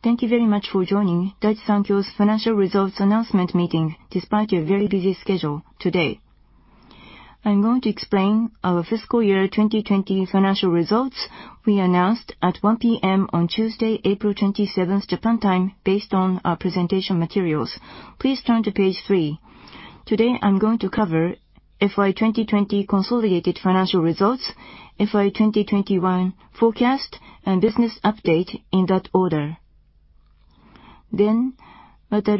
Thank you very much for joining Daiichi Sankyo's financial results announcement meeting despite your very busy schedule today. I am going to explain our fiscal year 2020 financial results we announced at 1:00 P.M. on Tuesday, April 27th, Japan time, based on our presentation materials. Please turn to page three. Today, I am going to cover FY 2020 consolidated financial results, FY 2021 forecast, and business update in that order. Wataru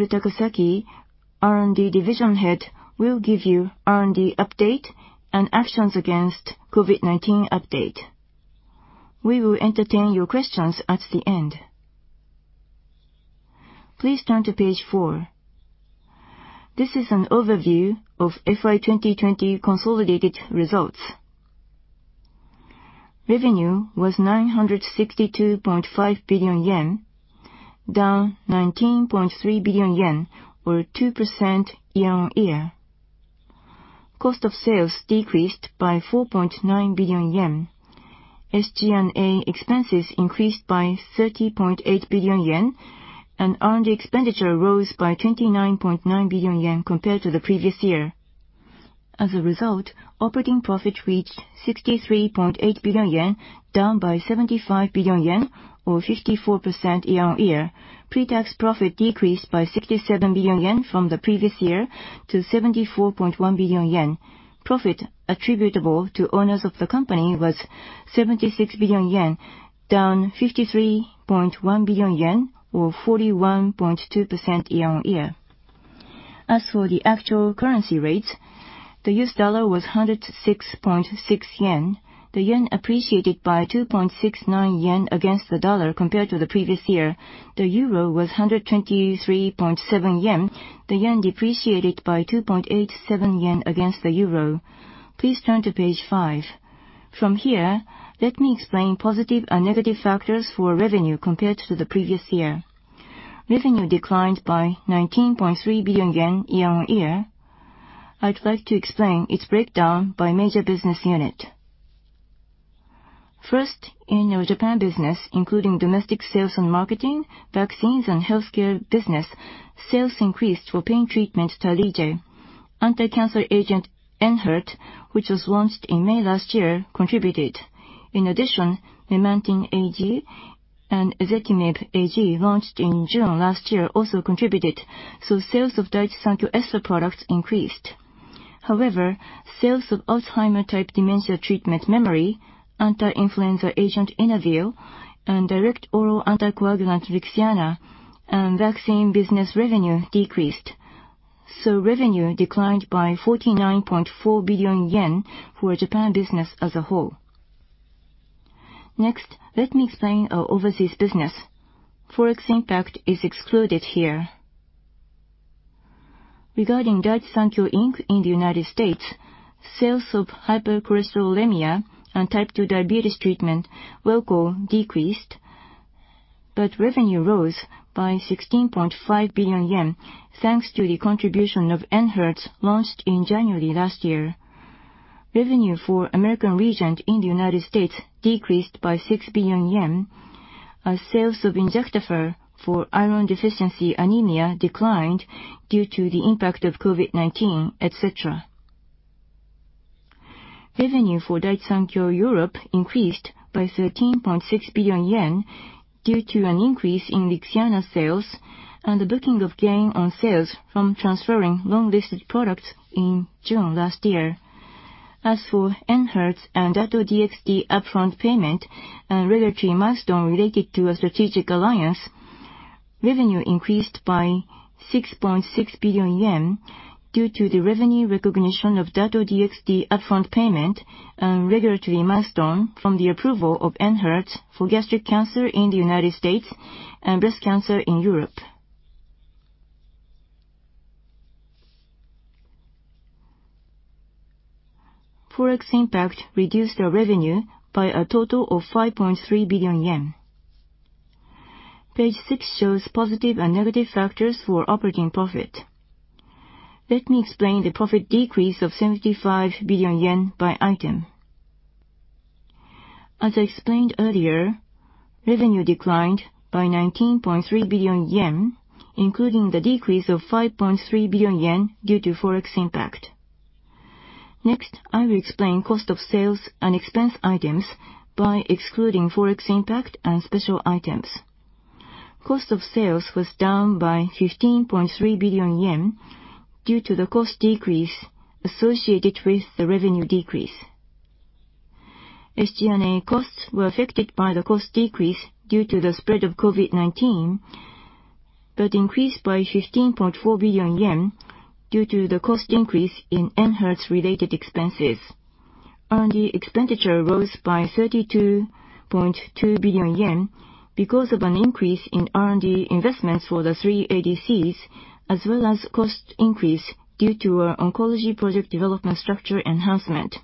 Takasaki, R&D Division Head, will give you R&D update and actions against COVID-19 update. We will entertain your questions at the end. Please turn to page four. This is an overview of FY 2020 consolidated results. Revenue was 962.5 billion yen, down 19.3 billion yen, or 2% year-on-year. Cost of sales decreased by 4.9 billion yen. SG&A expenses increased by 30.8 billion yen, and R&D expenditure rose by 29.9 billion yen compared to the previous year. As a result, operating profit reached 63.8 billion yen, down by 75 billion yen or 54% year-on-year. Pre-tax profit decreased by 67 billion yen from the previous year to 74.1 billion yen. Profit attributable to owners of the company was 76 billion yen, down 53.1 billion yen, or 41.2% year-on-year. As for the actual currency rates, the US dollar was 106.6 yen. The yen appreciated by 2.69 yen against the dollar compared to the previous year. The euro was 123.7 yen. The yen depreciated by 2.87 yen against the euro. Please turn to page five. Let me explain positive and negative factors for revenue compared to the previous year. Revenue declined by 19.3 billion yen year-on-year. I'd like to explain its breakdown by major business unit. First, in our Japan business, including domestic sales and marketing, vaccines, and healthcare business, sales increased for pain treatment, Tarlige. Anti-cancer agent, ENHERTU, which was launched in May last year, contributed. In addition, memantine AG and ezetimibe AG, launched in June last year, also contributed, so sales of Daiichi Sankyo Espha products increased. Sales of Alzheimer-type dementia treatment, Memary, anti-influenza agent, XOFLUZA, and direct oral anticoagulant, LIXIANA, and vaccine business revenue decreased. Revenue declined by 49.4 billion yen for Japan business as a whole. Next, let me explain our overseas business. Forex impact is excluded here. Regarding Daiichi Sankyo, Inc. in the U.S., sales of hypercholesterolemia and type 2 diabetes treatment, Welchol, decreased. Revenue rose by 16.5 billion yen, thanks to the contribution of ENHERTU, launched in January last year. Revenue for American Regent in the U.S. decreased by 6 billion yen as sales of Injectafer for iron deficiency anemia declined due to the impact of COVID-19, et cetera. Revenue for Daiichi Sankyo Europe increased by 13.6 billion yen due to an increase in LIXIANA sales and the booking of gain on sales from transferring long-listed products in June last year. As for ENHERTU and Dato-DXd upfront payment and regulatory milestone related to a strategic alliance, revenue increased by 6.6 billion yen due to the revenue recognition of Dato-DXd upfront payment and regulatory milestone from the approval of ENHERTU for gastric cancer in the U.S. and breast cancer in Europe. Forex impact reduced our revenue by a total of 5.3 billion yen. Page six shows positive and negative factors for operating profit. Let me explain the profit decrease of 75 billion yen by item. As I explained earlier, revenue declined by 19.3 billion yen, including the decrease of 5.3 billion yen due to Forex impact. Next, I will explain cost of sales and expense items by excluding Forex impact and special items. Cost of sales was down by 15.3 billion yen due to the cost decrease associated with the revenue decrease. SG&A costs were affected by the cost decrease due to the spread of COVID-19, increased by 15.4 billion yen due to the cost increase in ENHERTU's related expenses. R&D expenditure rose by 32.2 billion yen because of an increase in R&D investments for the three ADCs, as well as cost increase due to our oncology project development structure enhancement.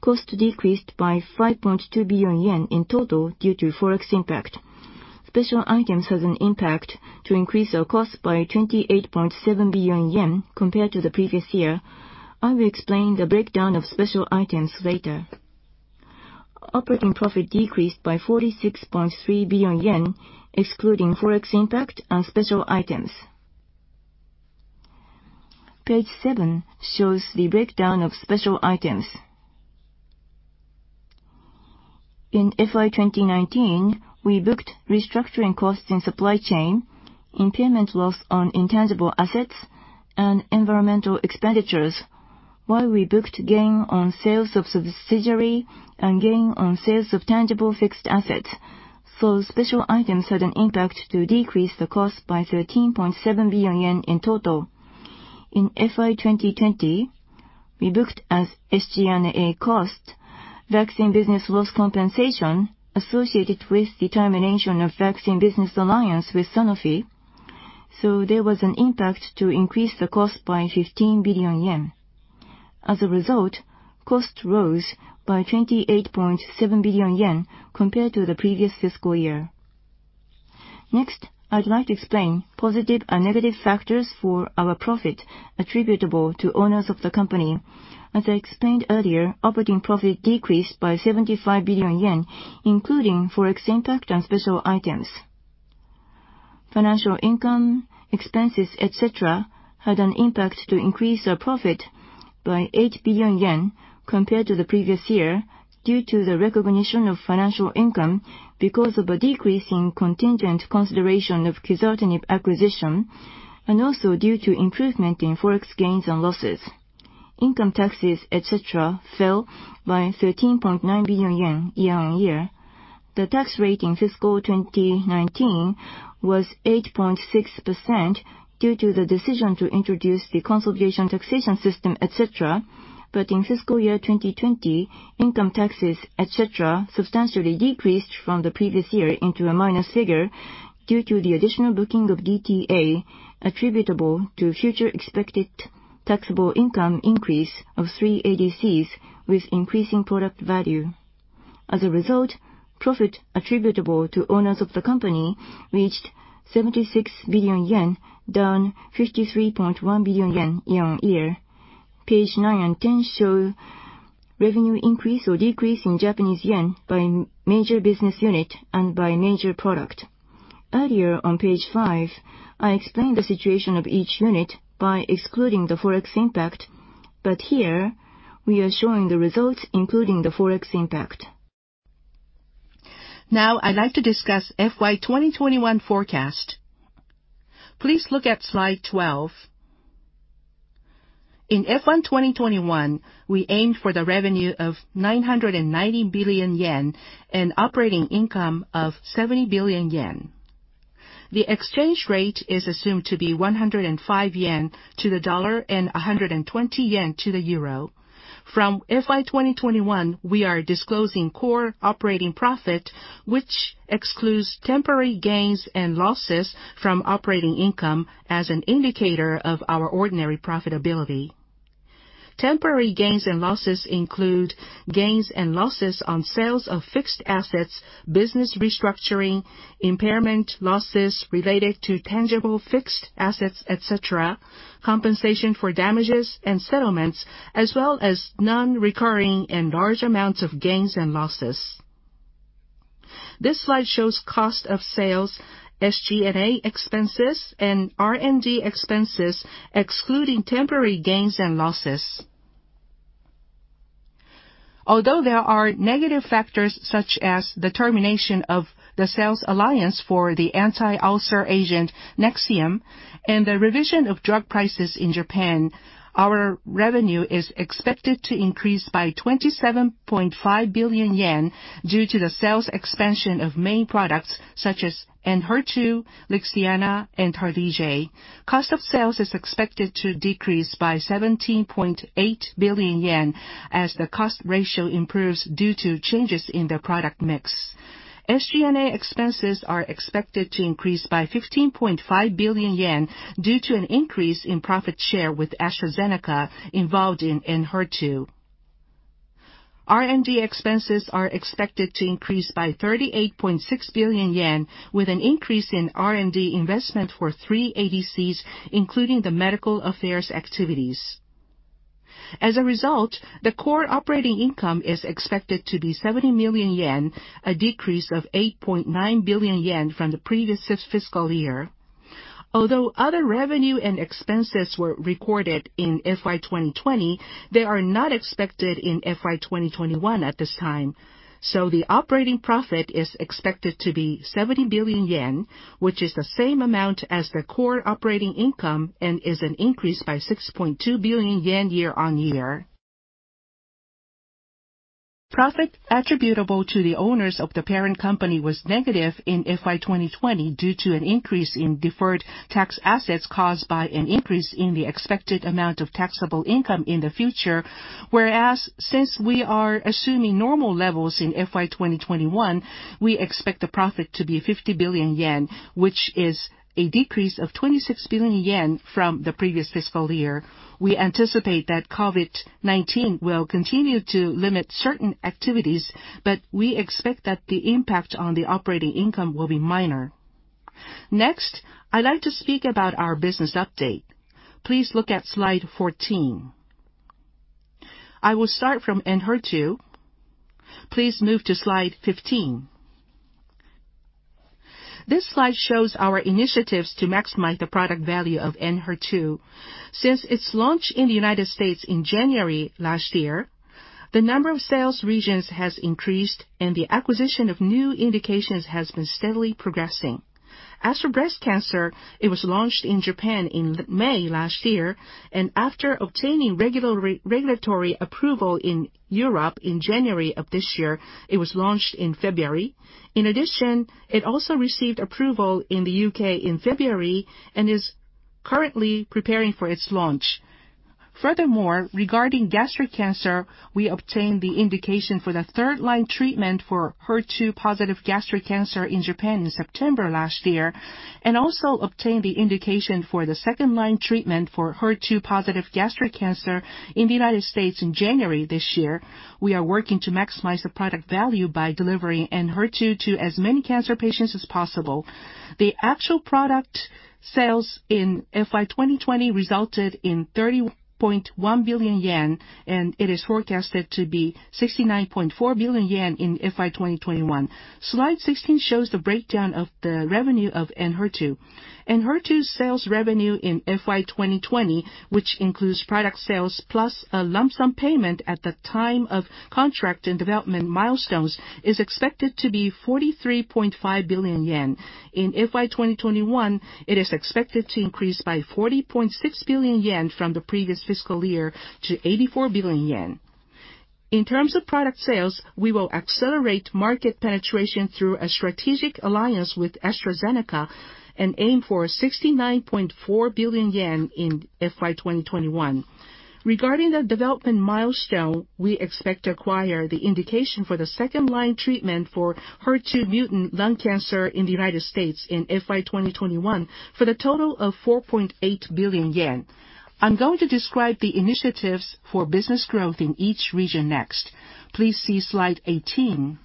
Cost decreased by 5.2 billion yen in total due to Forex impact. Special items has an impact to increase our cost by 28.7 billion yen compared to the previous year. I will explain the breakdown of special items later. Operating profit decreased by 46.3 billion yen, excluding Forex impact on special items. Page seven shows the breakdown of special items. In FY 2019, we booked restructuring costs in supply chain, impairment loss on intangible assets, and environmental expenditures, while we booked gain on sales of subsidiary and gain on sales of tangible fixed assets. Special items had an impact to decrease the cost by 13.7 billion yen in total. In FY 2020, we booked as SG&A cost vaccine business loss compensation associated with the termination of vaccine business alliance with Sanofi. There was an impact to increase the cost by 15 billion yen. As a result, cost rose by 28.7 billion yen compared to the previous fiscal year. Next, I'd like to explain positive and negative factors for our profit attributable to owners of the company. As I explained earlier, operating profit decreased by 75 billion yen, including Forex impact on special items. Financial income, expenses, et cetera, had an impact to increase our profit by 8 billion yen compared to the previous year due to the recognition of financial income because of a decrease in contingent consideration of quizartinib acquisition. Also due to improvement in Forex gains and losses, income taxes, et cetera, fell by JPY 13.9 billion year-on-year. The tax rate in fiscal year 2019 was 8.6% due to the decision to introduce the consolidation taxation system, et cetera. In fiscal year 2020, income taxes, et cetera, substantially decreased from the previous year into a minus figure due to the additional booking of DTA attributable to future expected taxable income increase of three ADCs with increasing product value. As a result, profit attributable to owners of the company reached 76 billion yen, down 53.1 billion yen year-on-year. Page nine and 10 show revenue increase or decrease in JPY by major business unit and by major product. Earlier on page five, I explained the situation of each unit by excluding the Forex impact. Here we are showing the results, including the Forex impact. Now I'd like to discuss FY 2021 forecast. Please look at slide 12. In FY 2021, we aimed for the revenue of 990 billion yen and operating income of 70 billion yen. The exchange rate is assumed to be 105 yen to the dollar and 120 yen to the euro. From FY 2021, we are disclosing core operating profit, which excludes temporary gains and losses from operating income as an indicator of our ordinary profitability. Temporary gains and losses include gains and losses on sales of fixed assets, business restructuring, impairment losses related to tangible fixed assets, et cetera, compensation for damages and settlements, as well as non-recurring and large amounts of gains and losses. Although there are negative factors such as the termination of the sales alliance for the anti-ulcer agent NEXIUM and the revision of drug prices in Japan, our revenue is expected to increase by 27.5 billion yen due to the sales expansion of main products such as ENHERTU, LIXIANA, and Tarlige. Cost of sales is expected to decrease by 17.8 billion yen as the cost ratio improves due to changes in the product mix. SG&A expenses are expected to increase by 15.5 billion yen due to an increase in profit share with AstraZeneca involved in ENHERTU. R&D expenses are expected to increase by 38.6 billion yen with an increase in R&D investment for three ADCs, including the medical affairs activities. The core operating income is expected to be 70 billion yen, a decrease of 8.9 billion yen from the previous fiscal year. Other revenue and expenses were recorded in FY 2020, they are not expected in FY 2021 at this time. The operating profit is expected to be 70 billion yen, which is the same amount as the core operating income and is an increase by 6.2 billion yen year-on-year. Profit attributable to the owners of the parent company was negative in FY 2020 due to an increase in deferred tax assets caused by an increase in the expected amount of taxable income in the future. Whereas since we are assuming normal levels in FY 2021, we expect the profit to be 50 billion yen, which is a decrease of 26 billion yen from the previous fiscal year. We anticipate that COVID-19 will continue to limit certain activities, but we expect that the impact on the operating income will be minor. Next, I'd like to speak about our business update. Please look at slide 14. I will start from ENHERTU. Please move to slide 15. This slide shows our initiatives to maximize the product value of ENHERTU. Since its launch in the United States in January last year, the number of sales regions has increased, and the acquisition of new indications has been steadily progressing. As for breast cancer, it was launched in Japan in May last year, and after obtaining regulatory approval in Europe in January of this year, it was launched in February. In addition, it also received approval in the U.K. in February and is currently preparing for its launch. Furthermore, regarding gastric cancer, we obtained the indication for the third-line treatment for HER2-positive gastric cancer in Japan in September last year, and also obtained the indication for the second line treatment for HER2-positive gastric cancer in the United States in January this year. We are working to maximize the product value by delivering ENHERTU to as many cancer patients as possible. The actual product sales in FY 2020 resulted in 30.1 billion yen, and it is forecasted to be 69.4 billion yen in FY 2021. Slide 16 shows the breakdown of the revenue of ENHERTU. ENHERTU sales revenue in FY 2020, which includes product sales plus a lump sum payment at the time of contract and development milestones, is expected to be 43.5 billion yen. In FY 2021, it is expected to increase by 40.6 billion yen from the previous fiscal year to 84 billion yen. In terms of product sales, we will accelerate market penetration through a strategic alliance with AstraZeneca and aim for 69.4 billion yen in FY 2021. Regarding the development milestone, we expect to acquire the indication for the second-line treatment for HER2 mutant lung cancer in the United States in FY 2021 for the total of 4.8 billion yen. I'm going to describe the initiatives for business growth in each region next. Please see Slide 18.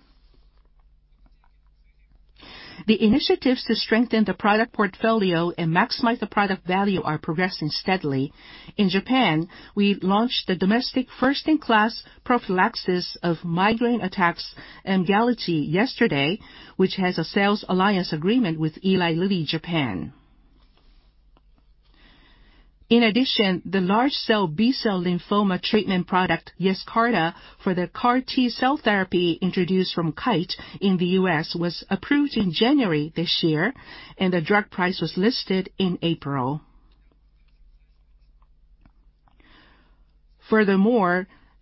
The initiatives to strengthen the product portfolio and maximize the product value are progressing steadily. In Japan, we launched the domestic first-in-class prophylaxis of migraine attacks, EMGALITY, yesterday, which has a sales alliance agreement with Eli Lilly Japan. In addition, the large cell B-cell lymphoma treatment product, YESCARTA, for the CAR T-cell therapy introduced from Kite in the U.S., was approved in January this year, and the drug price was listed in April.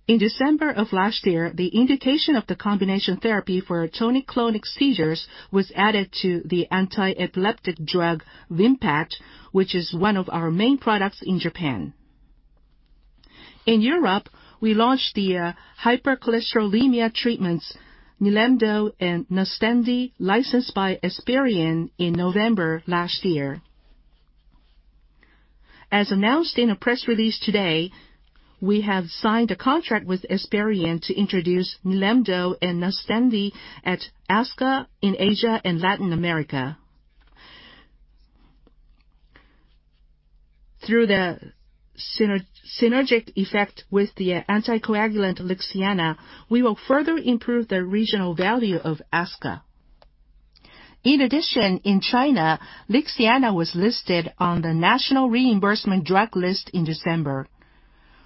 In December of last year, the indication of the combination therapy for tonic-clonic seizures was added to the anti-epileptic drug VIMPAT, which is one of our main products in Japan. In Europe, we launched the hypercholesterolemia treatments, Nilemdo and Nustendi, licensed by Esperion in November last year. As announced in a press release today, we have signed a contract with Esperion to introduce Nilemdo and Nustendi at ASCA in Asia and Latin America. Through the synergetic effect with the anticoagulant LIXIANA, we will further improve the regional value of Aska. In China, LIXIANA was listed on the National Reimbursement Drug List in December.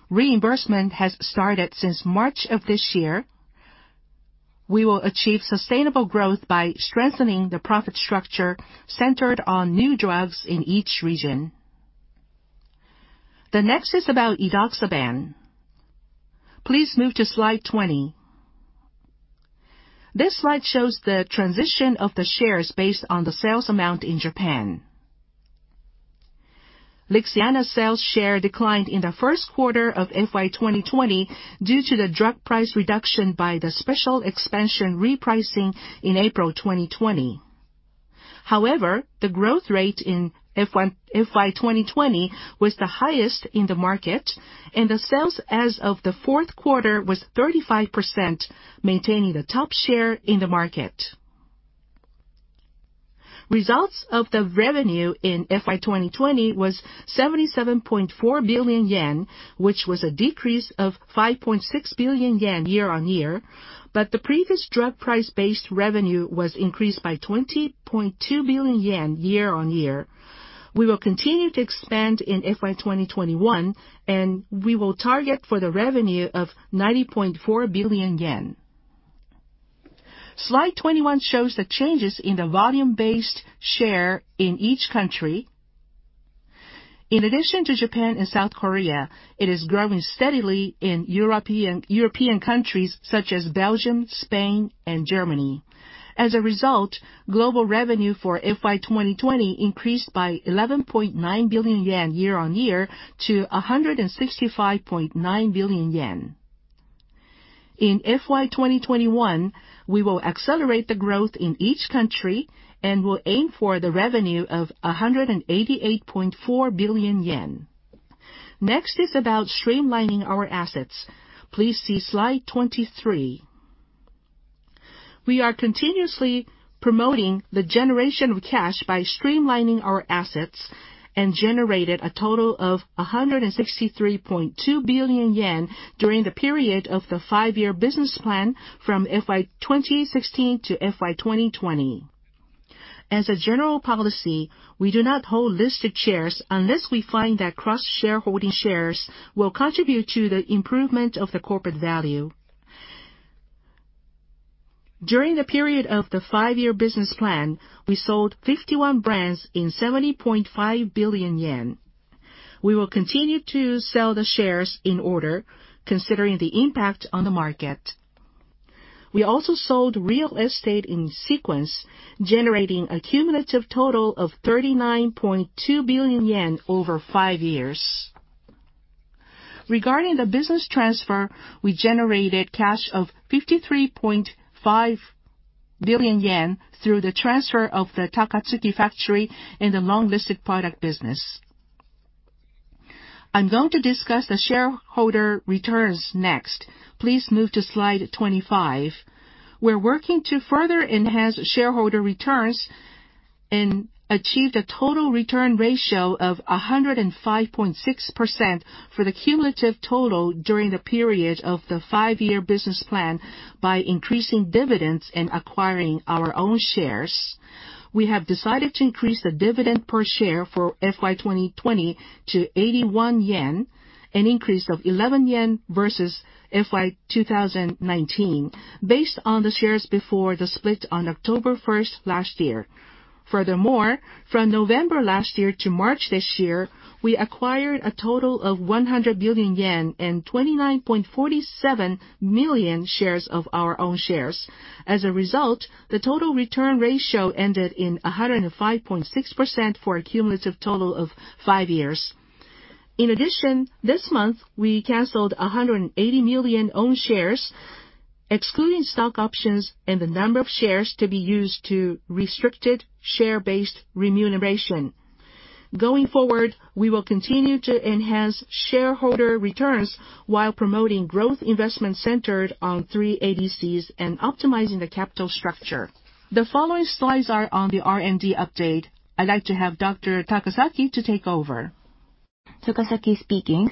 Reimbursement has started since March of this year. We will achieve sustainable growth by strengthening the profit structure centered on new drugs in each region. The next is about edoxaban. Please move to Slide 20. This slide shows the transition of the shares based on the sales amount in Japan. LIXIANA sales share declined in the first quarter of FY 2020 due to the drug price reduction by the special expansion repricing in April 2020. The growth rate in FY 2020 was the highest in the market, and the sales as of the fourth quarter was 35%, maintaining the top share in the market. Results of the revenue in FY 2020 was 77.4 billion yen, which was a decrease of 5.6 billion yen year-on-year. The previous drug price-based revenue was increased by 20.2 billion yen year-on-year. We will continue to expand in FY 2021, and we will target for the revenue of 90.4 billion yen. Slide 21 shows the changes in the volume-based share in each country. In addition to Japan and South Korea, it is growing steadily in European countries such as Belgium, Spain, and Germany. As a result, global revenue for FY 2020 increased by 11.9 billion yen year-over-year to 165.9 billion yen. In FY 2021, we will accelerate the growth in each country and will aim for the revenue of 188.4 billion yen. Next is about streamlining our assets. Please see Slide 23. We are continuously promoting the generation of cash by streamlining our assets and generated a total of 163.2 billion yen during the period of the five-year business plan from FY 2016 to FY 2020. As a general policy, we do not hold listed shares unless we find that cross-shareholding shares will contribute to the improvement of the corporate value. During the period of the five-year business plan, we sold 51 brands in 70.5 billion yen. We will continue to sell the shares in order, considering the impact on the market. We also sold real estate in sequence, generating a cumulative total of 39.2 billion yen over five years. Regarding the business transfer, we generated cash of 53.5 billion yen through the transfer of the Takatsuki factory and the long-listed product business. I'm going to discuss the shareholder returns next. Please move to Slide 25. We're working to further enhance shareholder returns and achieve a total return ratio of 105.6% for the cumulative total during the period of the five-year business plan by increasing dividends and acquiring our own shares. We have decided to increase the dividend per share for FY 2020 to 81 yen, an increase of 11 yen versus FY 2019, based on the shares before the split on October 1st last year. Furthermore, from November last year to March this year, we acquired a total of 100 billion yen and 29.47 million shares of our own shares. As a result, the total return ratio ended in 105.6% for a cumulative total of five years. This month, we canceled 180 million own shares, excluding stock options and the number of shares to be used to restricted share-based remuneration. Going forward, we will continue to enhance shareholder returns while promoting growth investment centered on three ADCs and optimizing the capital structure. The following slides are on the R&D update. I'd like to have Dr. Takasaki to take over. Takasaki speaking.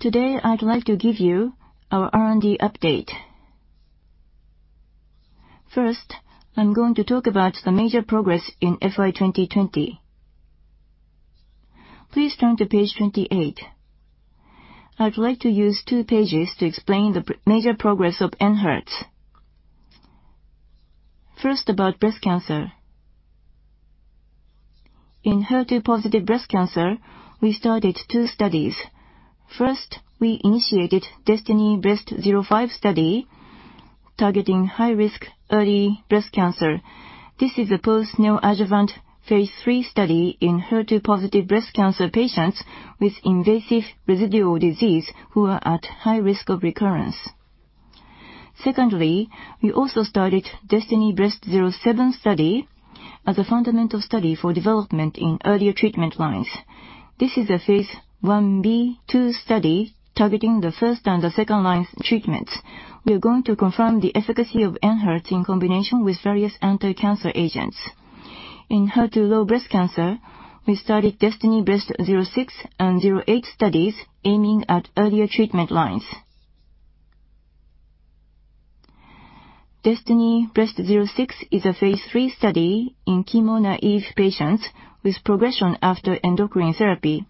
Today, I'd like to give you our R&D update. First, I'm going to talk about the major progress in FY 2020. Please turn to Page 28. I'd like to use two pages to explain the major progress of ENHERTU. First, about breast cancer. In HER2 positive breast cancer, we started two studies. First, we initiated DESTINY-Breast05 study targeting high-risk early breast cancer. This is a post-neoadjuvant phase III study in HER2-positive breast cancer patients with invasive residual disease who are at high risk of recurrence. Secondly, we also started DESTINY-Breast07 study as a fundamental study for development in earlier treatment lines. This is a phase I-B/II study targeting the first and the second line treatments. We are going to confirm the efficacy of ENHERTU in combination with various anti-cancer agents. In HER2-low breast cancer, we started DESTINY-Breast06 and DESTINY-Breast08 studies aiming at earlier treatment lines. DESTINY-Breast06 is a phase III study in chemo-naïve patients with progression after endocrine therapy.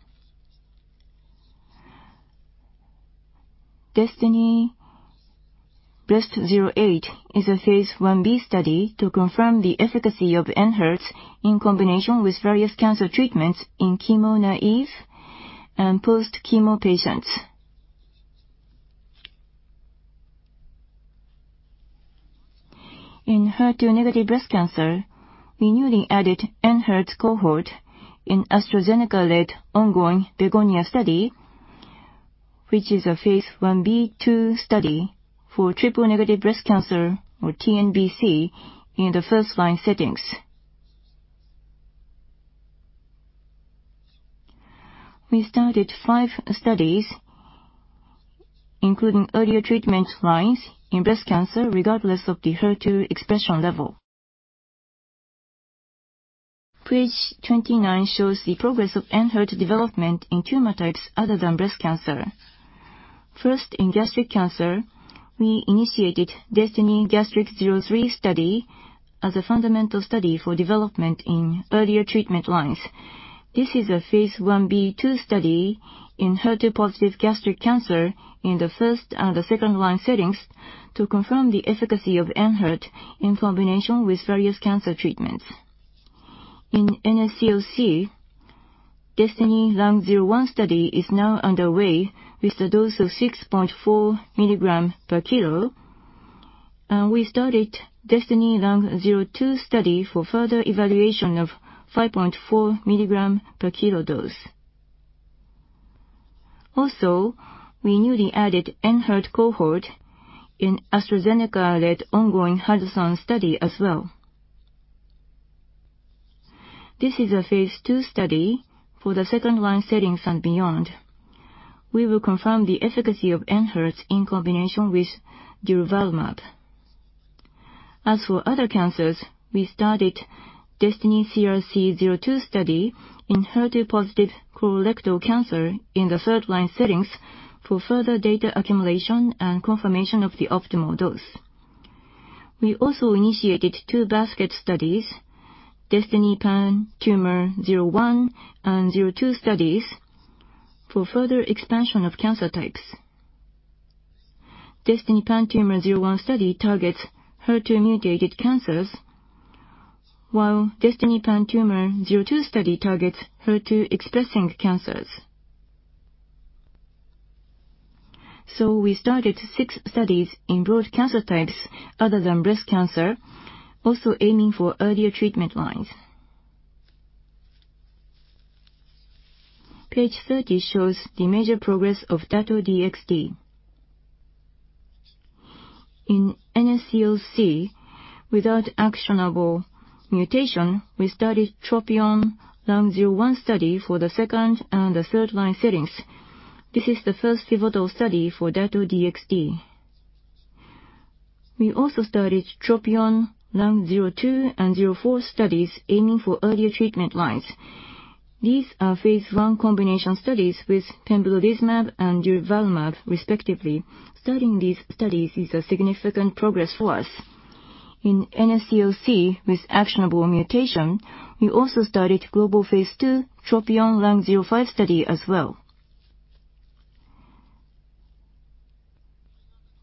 DESTINY-Breast08 is a phase I-B study to confirm the efficacy of ENHERTU in combination with various cancer treatments in chemo-naïve and post-chemo patients. In HER2-negative breast cancer, we newly added ENHERTU cohort in AstraZeneca-led ongoing BEGONIA study, which is a phase I-B/II study for triple-negative breast cancer, or TNBC, in the first-line settings. We started five studies, including earlier treatment lines in breast cancer, regardless of the HER2 expression level. Page 29 shows the progress of ENHERTU development in tumor types other than breast cancer. First, in gastric cancer, we initiated DESTINY-Gastric03 study as a fundamental study for development in earlier treatment lines. This is a phase I-B/II study in HER2-positive gastric cancer in the first and the second-line settings to confirm the efficacy of ENHERTU in combination with various cancer treatments. In NSCLC, DESTINY-Lung01 study is now underway with a dose of 6.4 mg/kg. We started DESTINY-Lung02 study for further evaluation of 5.4 mg/kg dose. Also, we newly added ENHERTU cohort in AstraZeneca-led ongoing HUDSON study as well. This is a phase II study for the second-line settings and beyond. We will confirm the efficacy of ENHERTU in combination with durvalumab. For other cancers, we started DESTINY-CRC02 study in HER2-positive colorectal cancer in the third-line settings for further data accumulation and confirmation of the optimal dose. We also initiated two basket studies, DESTINY-PanTumor01 and DESTINY-PanTumor02 studies, for further expansion of cancer types. DESTINY-PanTumor01 study targets HER2-mutated cancers, while DESTINY-PanTumor02 study targets HER2-expressing cancers. We started six studies in broad cancer types other than breast cancer, also aiming for earlier treatment lines. Page 30 shows the major progress of Dato-DXd. In NSCLC without actionable mutation, we started TROPION-Lung01 study for the second and the third-line settings. This is the first pivotal study for Dato-DXd. We also started TROPION-Lung02 and TROPION-Lung04 studies aiming for earlier treatment lines. These are phase I combination studies with pembrolizumab and durvalumab, respectively. Starting these studies is a significant progress for us. In NSCLC with actionable mutation, we also started global phase II TROPION-Lung05 study as well.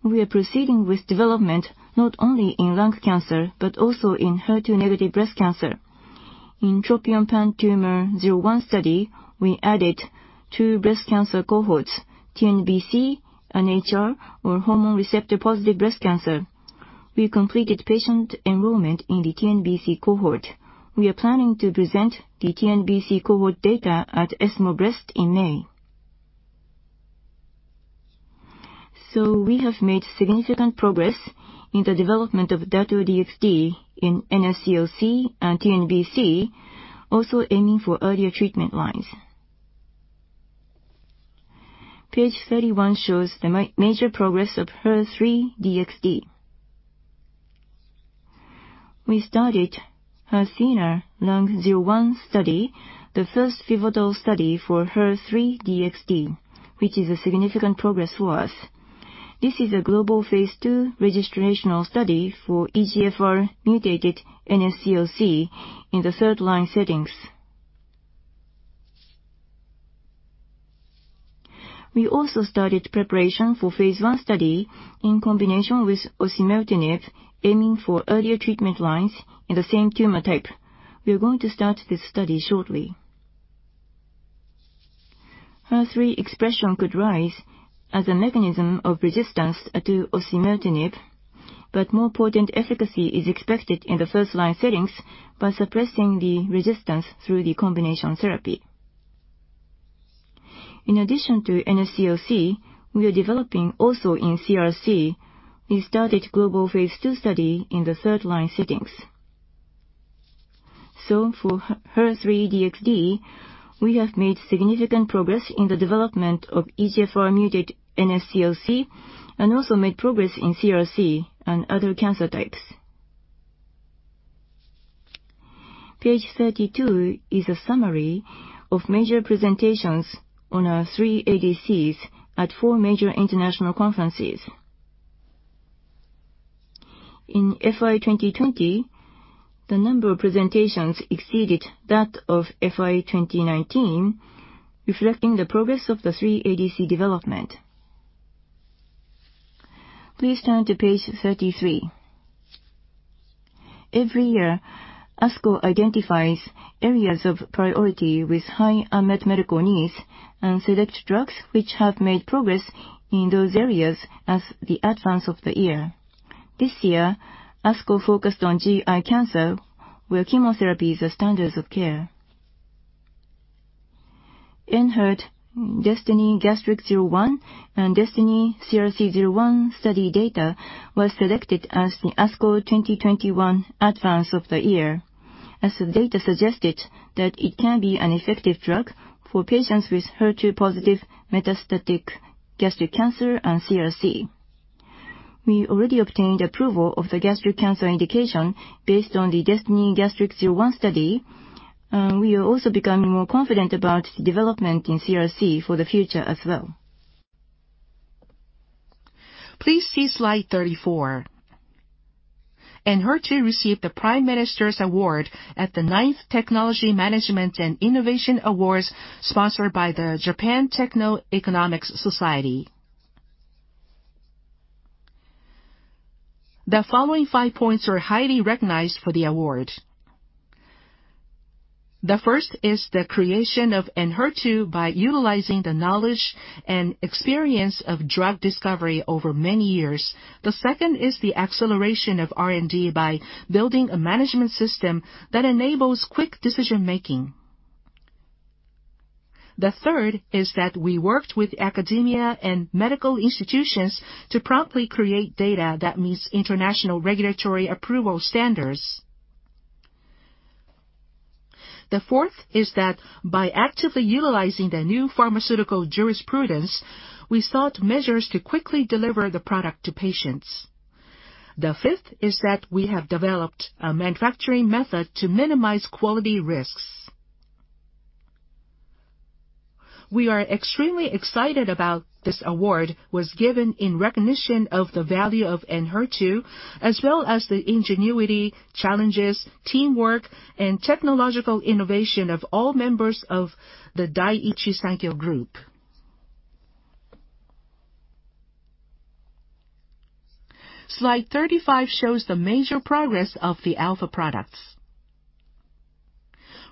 We are proceeding with development not only in lung cancer but also in HER2-negative breast cancer. In TROPION-PanTumor01 study, we added two breast cancer cohorts, TNBC and HR or hormone receptor-positive breast cancer. We completed patient enrollment in the TNBC cohort. We are planning to present the TNBC cohort data at ESMO Breast in May. We have made significant progress in the development of Dato-DXd in NSCLC and TNBC, also aiming for earlier treatment lines. Page 31 shows the major progress of HER3-DXd. We started HERTHENA-Lung01 study, the first pivotal study for HER3-DXd, which is a significant progress for us. This is a global phase II registrational study for EGFR-mutated NSCLC in the third-line settings. We also started preparation for phase I study in combination with osimertinib, aiming for earlier treatment lines in the same tumor type. We are going to start this study shortly. HER3 expression could rise as a mechanism of resistance to osimertinib, but more potent efficacy is expected in the first-line settings by suppressing the resistance through the combination therapy. In addition to NSCLC, we are developing also in CRC. We started global phase II study in the third-line settings. For HER3-DXd, we have made significant progress in the development of EGFR-mutated NSCLC and also made progress in CRC and other cancer types. Page 32 is a summary of major presentations on our three ADCs at four major international conferences. In FY 2020, the number of presentations exceeded that of FY 2019, reflecting the progress of the three ADC development. Please turn to page 33. Every year, ASCO identifies areas of priority with high unmet medical needs and select drugs which have made progress in those areas as the advance of the year. This year, ASCO focused on GI cancer, where chemotherapy is the standards of care. ENHERTU DESTINY-Gastric01 and DESTINY-CRC01 study data was selected as the ASCO 2021 advance of the year, as the data suggested that it can be an effective drug for patients with HER2-positive metastatic gastric cancer and CRC. We already obtained approval of the gastric cancer indication based on the DESTINY-Gastric01 study, and we are also becoming more confident about development in CRC for the future as well. Please see slide 34. ENHERTU received the Prime Minister's Award at the ninth Technology Management and Innovation Awards, sponsored by the Japan Techno-Economics Society. The following five points were highly recognized for the award. The first is the creation of ENHERTU by utilizing the knowledge and experience of drug discovery over many years. The second is the acceleration of R&D by building a management system that enables quick decision-making. The third is that we worked with academia and medical institutions to promptly create data that meets international regulatory approval standards. The fourth is that by actively utilizing the new pharmaceutical jurisprudence, we sought measures to quickly deliver the product to patients. The fifth is that we have developed a manufacturing method to minimize quality risks. We are extremely excited about this award was given in recognition of the value of ENHERTU, as well as the ingenuity, challenges, teamwork, and technological innovation of all members of the Daiichi Sankyo group. Slide 35 shows the major progress of the alpha products.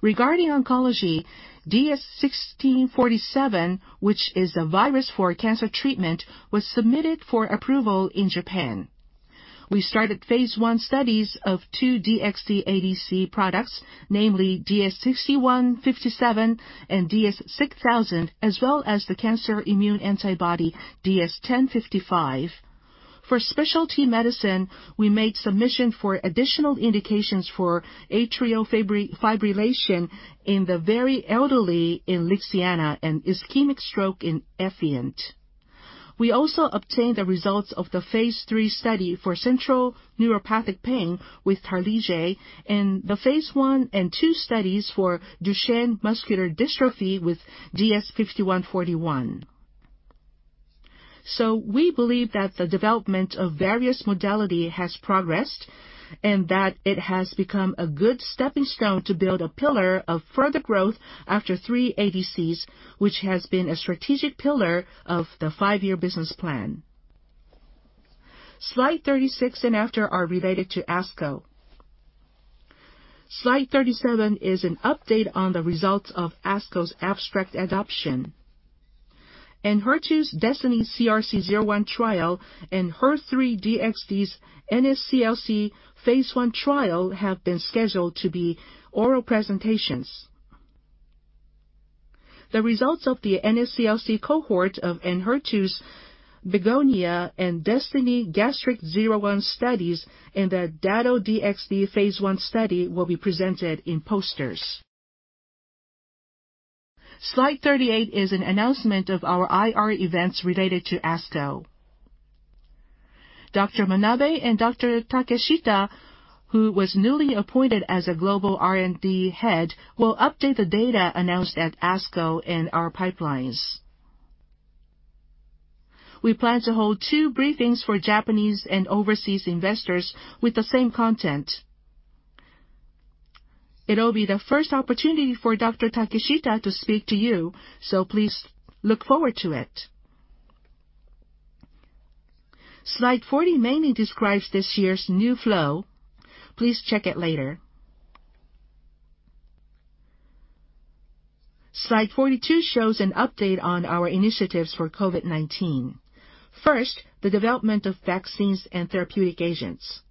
Regarding oncology, DS-1647, which is a virus for cancer treatment, was submitted for approval in Japan. We started phase I studies of two DXd ADC products, namely DS-6157 and DS-6000, as well as the cancer immune antibody, DS-1055. For specialty medicine, we made submission for additional indications for atrial fibrillation in the very elderly in LIXIANA and ischemic stroke in EFFIENT. We also obtained the results of the phase III study for central neuropathic pain with Tarlige and the phase I and II studies for Duchenne muscular dystrophy with DS-5141. We believe that the development of various modality has progressed, and that it has become a good stepping stone to build a pillar of further growth after three ADCs, which has been a strategic pillar of the five-year business plan. Slide 36 and after are related to ASCO. Slide 37 is an update on the results of ASCO's abstract adoption. ENHERTU's DESTINY-CRC01 trial and HER3-DXd's NSCLC phase I trial have been scheduled to be oral presentations. The results of the NSCLC cohort of ENHERTU's BEGONIA and DESTINY-Gastric 01 studies and the Dato-DXd phase I study will be presented in posters. Slide 38 is an announcement of our IR events related to ASCO. Dr. Manabe and Dr. Takeshita, who was newly appointed as a global R&D head, will update the data announced at ASCO and our pipelines. We plan to hold two briefings for Japanese and overseas investors with the same content. It'll be the first opportunity for Dr. Takeshita to speak to you, so please look forward to it. Slide 40 mainly describes this year's new flow. Please check it later. Slide 42 shows an update on our initiatives for COVID-19. First, the development of vaccines and therapeutic agents.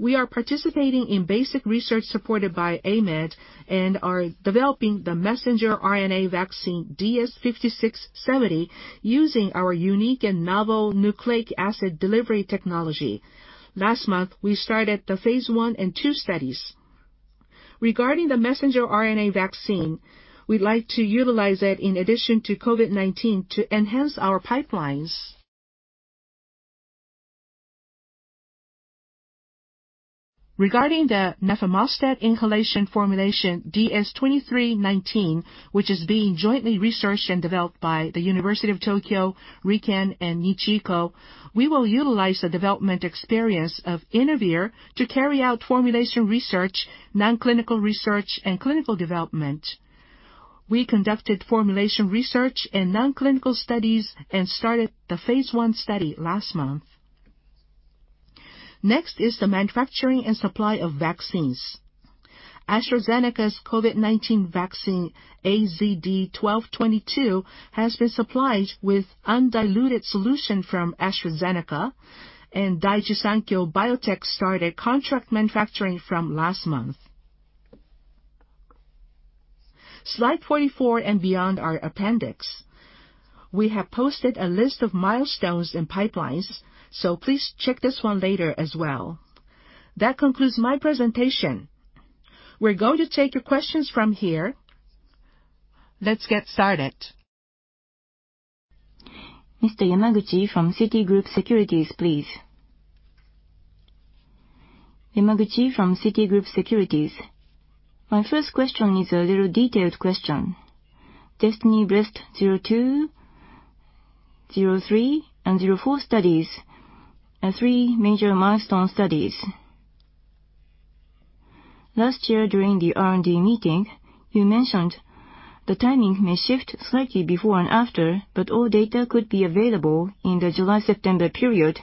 We are participating in basic research supported by AMED and are developing the messenger RNA vaccine DS-5670 using our unique and novel nucleic acid delivery technology. Last month, we started the phase I and II studies. Regarding the messenger RNA vaccine, we'd like to utilize it in addition to COVID-19 to enhance our pipelines. Regarding the nafamostat inhalation formulation DS-2319, which is being jointly researched and developed by The University of Tokyo, RIKEN, and Nichi-Iko, we will utilize the development experience of Inavir to carry out formulation research, non-clinical research, and clinical development. We conducted formulation research and non-clinical studies and started the phase I study last month. Next is the manufacturing and supply of vaccines. AstraZeneca's COVID-19 vaccine AZD1222 has been supplied with undiluted solution from AstraZeneca, and Daiichi Sankyo Biotech started contract manufacturing from last month. Slide 44 and beyond are appendix. We have posted a list of milestones and pipelines. Please check this one later as well. That concludes my presentation. We're going to take your questions from here. Let's get started. Mr. Yamaguchi from Citigroup Securities, please. Yamaguchi from Citigroup Securities. My first question is a little detailed question. DESTINY-Breast02, DESTINY-Breast03, and DESTINY-Breast04 studies are three major milestone studies. Last year during the R&D meeting, you mentioned the timing may shift slightly before and after, but all data could be available in the July-September period.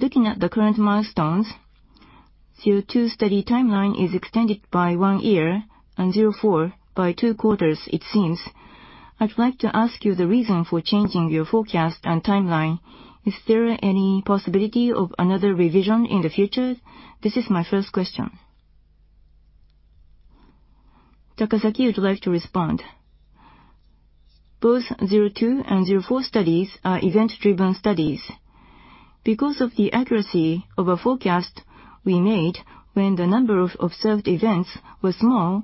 Looking at the current milestones, DESTINY-Breast02 study timeline is extended by one year and DESTINY-Breast04 by two quarters it seems. I'd like to ask you the reason for changing your forecast and timeline. Is there any possibility of another revision in the future? This is my first question. Takasaki would like to respond. Both DESTINY-Breast02 and DESTINY-Breast04 studies are event-driven studies. Because of the accuracy of a forecast we made when the number of observed events was small,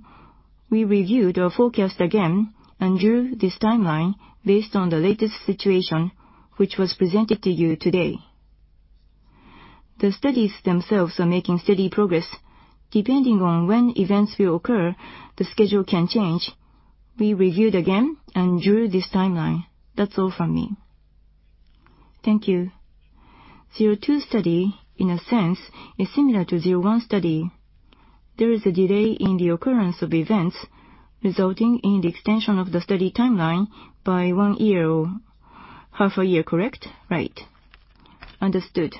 we reviewed our forecast again and drew this timeline based on the latest situation, which was presented to you today. The studies themselves are making steady progress. Depending on when events will occur, the schedule can change. We reviewed again and drew this timeline. That's all from me. Thank you. DESTINY-Breast02 study, in a sense, is similar to DESTINY-Breast01 study. There is a delay in the occurrence of events, resulting in the extension of the study timeline by one year or half a year, correct? Right. Understood.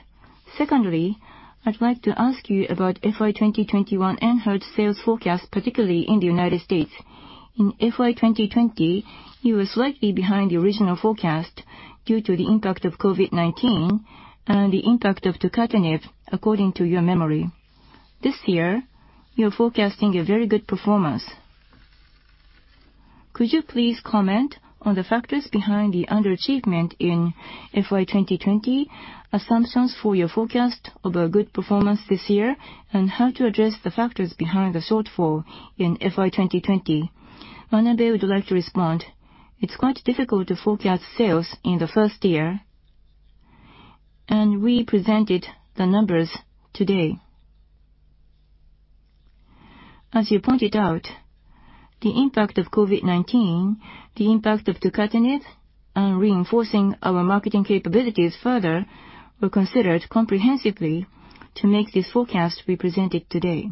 Secondly, I'd like to ask you about FY 2021 ENHERTU sales forecast, particularly in the U.S. In FY 2020, you were slightly behind the original forecast due to the impact of COVID-19 and the impact of TUKYSA, according to your memory. This year, you're forecasting a very good performance. Could you please comment on the factors behind the underachievement in FY 2020, assumptions for your forecast of a good performance this year, and how to address the factors behind the shortfall in FY 2020? Manabe would like to respond. It's quite difficult to forecast sales in the first year, and we presented the numbers today. As you pointed out, the impact of COVID-19, the impact of tucatinib, and reinforcing our marketing capabilities further were considered comprehensively to make this forecast we presented today.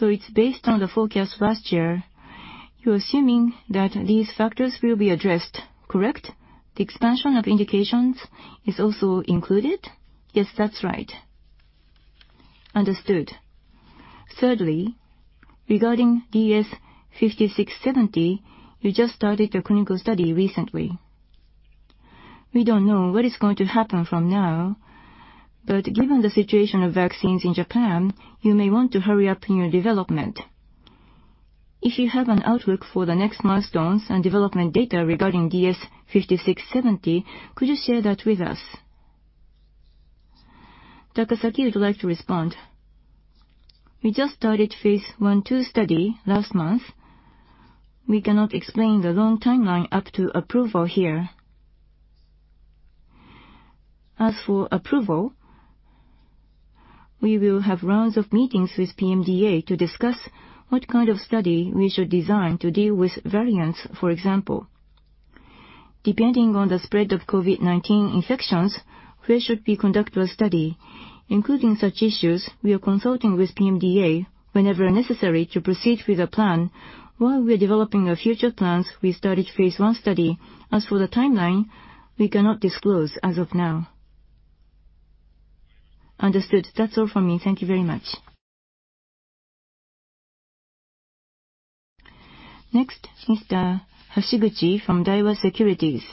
It's based on the forecast last year. You're assuming that these factors will be addressed, correct? The expansion of indications is also included? Yes, that's right. Understood. Thirdly, regarding DS-5670, you just started your clinical study recently. We don't know what is going to happen from now. Given the situation of vaccines in Japan, you may want to hurry up in your development. If you have an outlook for the next milestones and development data regarding DS-5670, could you share that with us? Takasaki would like to respond. We just started phase I, II study last month. We cannot explain the long timeline up to approval here. As for approval, we will have rounds of meetings with PMDA to discuss what kind of study we should design to deal with variants, for example. Depending on the spread of COVID-19 infections, where should we conduct our study? Including such issues, we are consulting with PMDA whenever necessary to proceed with the plan. While we are developing our future plans, we started phase I study. As for the timeline, we cannot disclose as of now. Understood. That's all from me. Thank you very much. Next, Mr. Hashiguchi from Daiwa Securities.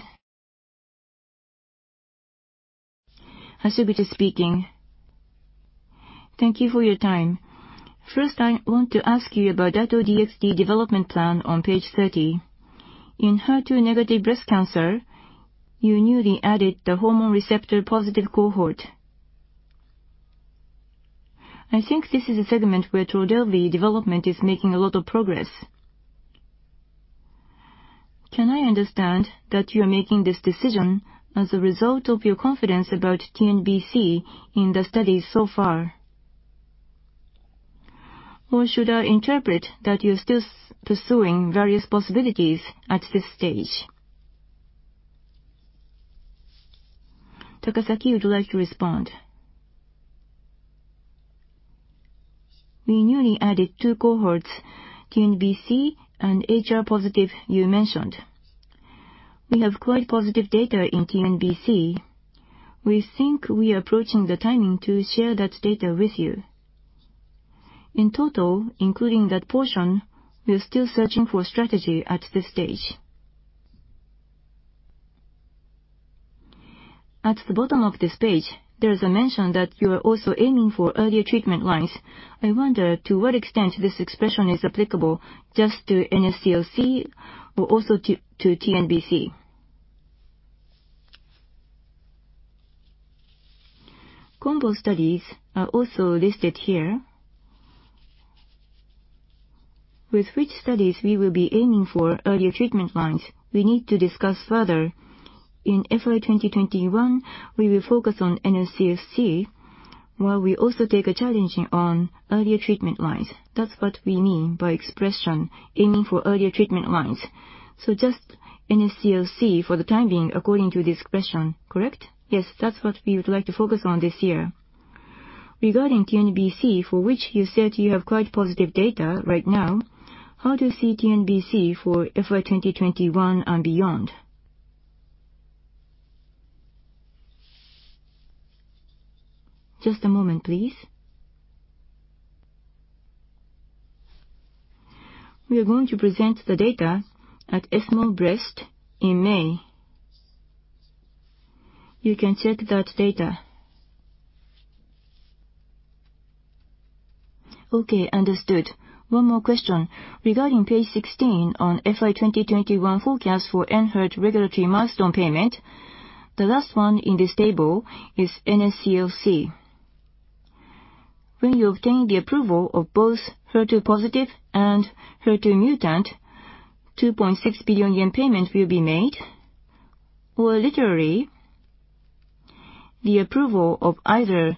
Hashiguchi speaking. Thank you for your time. First, I want to ask you about Dato-DXd development plan on page 30. In HER2-negative breast cancer, you newly added the hormone receptor-positive cohort. I think this is a segment where TRODELVY development is making a lot of progress. Can I understand that you are making this decision as a result of your confidence about TNBC in the studies so far? Or should I interpret that you're still pursuing various possibilities at this stage? Takasaki would like to respond. We newly added two cohorts, TNBC and HR-positive you mentioned. We have quite positive data in TNBC. We think we are approaching the timing to share that data with you. In total, including that portion, we're still searching for strategy at this stage. At the bottom of this page, there is a mention that you are also aiming for earlier treatment lines. I wonder to what extent this expression is applicable just to NSCLC or also to TNBC. Combo studies are also listed here. With which studies we will be aiming for earlier treatment lines, we need to discuss further. In FY 2021, we will focus on NSCLC while we also take a challenging on earlier treatment lines. That's what we mean by expression aiming for earlier treatment lines. Just NSCLC for the time being according to the expression, correct? Yes. That's what we would like to focus on this year. Regarding TNBC, for which you said you have quite positive data right now, how do you see TNBC for FY 2021 and beyond? Just a moment, please. We are going to present the data at ESMO Breast in May. You can check that data. Okay, understood. One more question. Regarding page 16 on FY 2021 forecast for ENHERTU regulatory milestone payment, the last one in this table is NSCLC. When you obtain the approval of both HER2-positive and HER2-mutant, ¥2.6 billion payment will be made, or literally the approval of either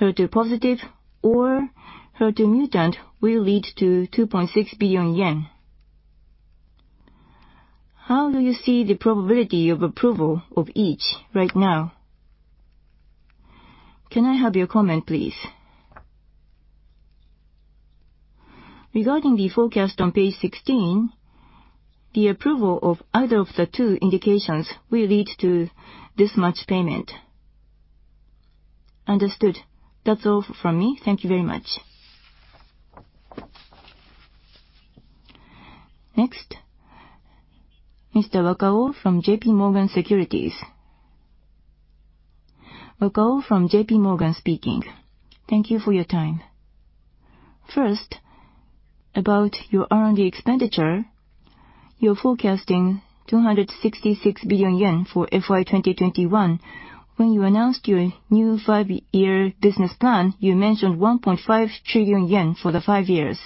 HER2-positive or HER2-mutant will lead to ¥2.6 billion. How do you see the probability of approval of each right now? Can I have your comment, please? Regarding the forecast on page 16, the approval of either of the two indications will lead to this much payment. Understood. That's all from me. Thank you very much. Next, Mr. Wakao from JPMorgan Securities. Wakao from JPMorgan speaking. Thank you for your time. First, about your R&D expenditure, you're forecasting ¥266 billion for FY 2021. When you announced your new five-year business plan, you mentioned ¥1.5 trillion for the five years.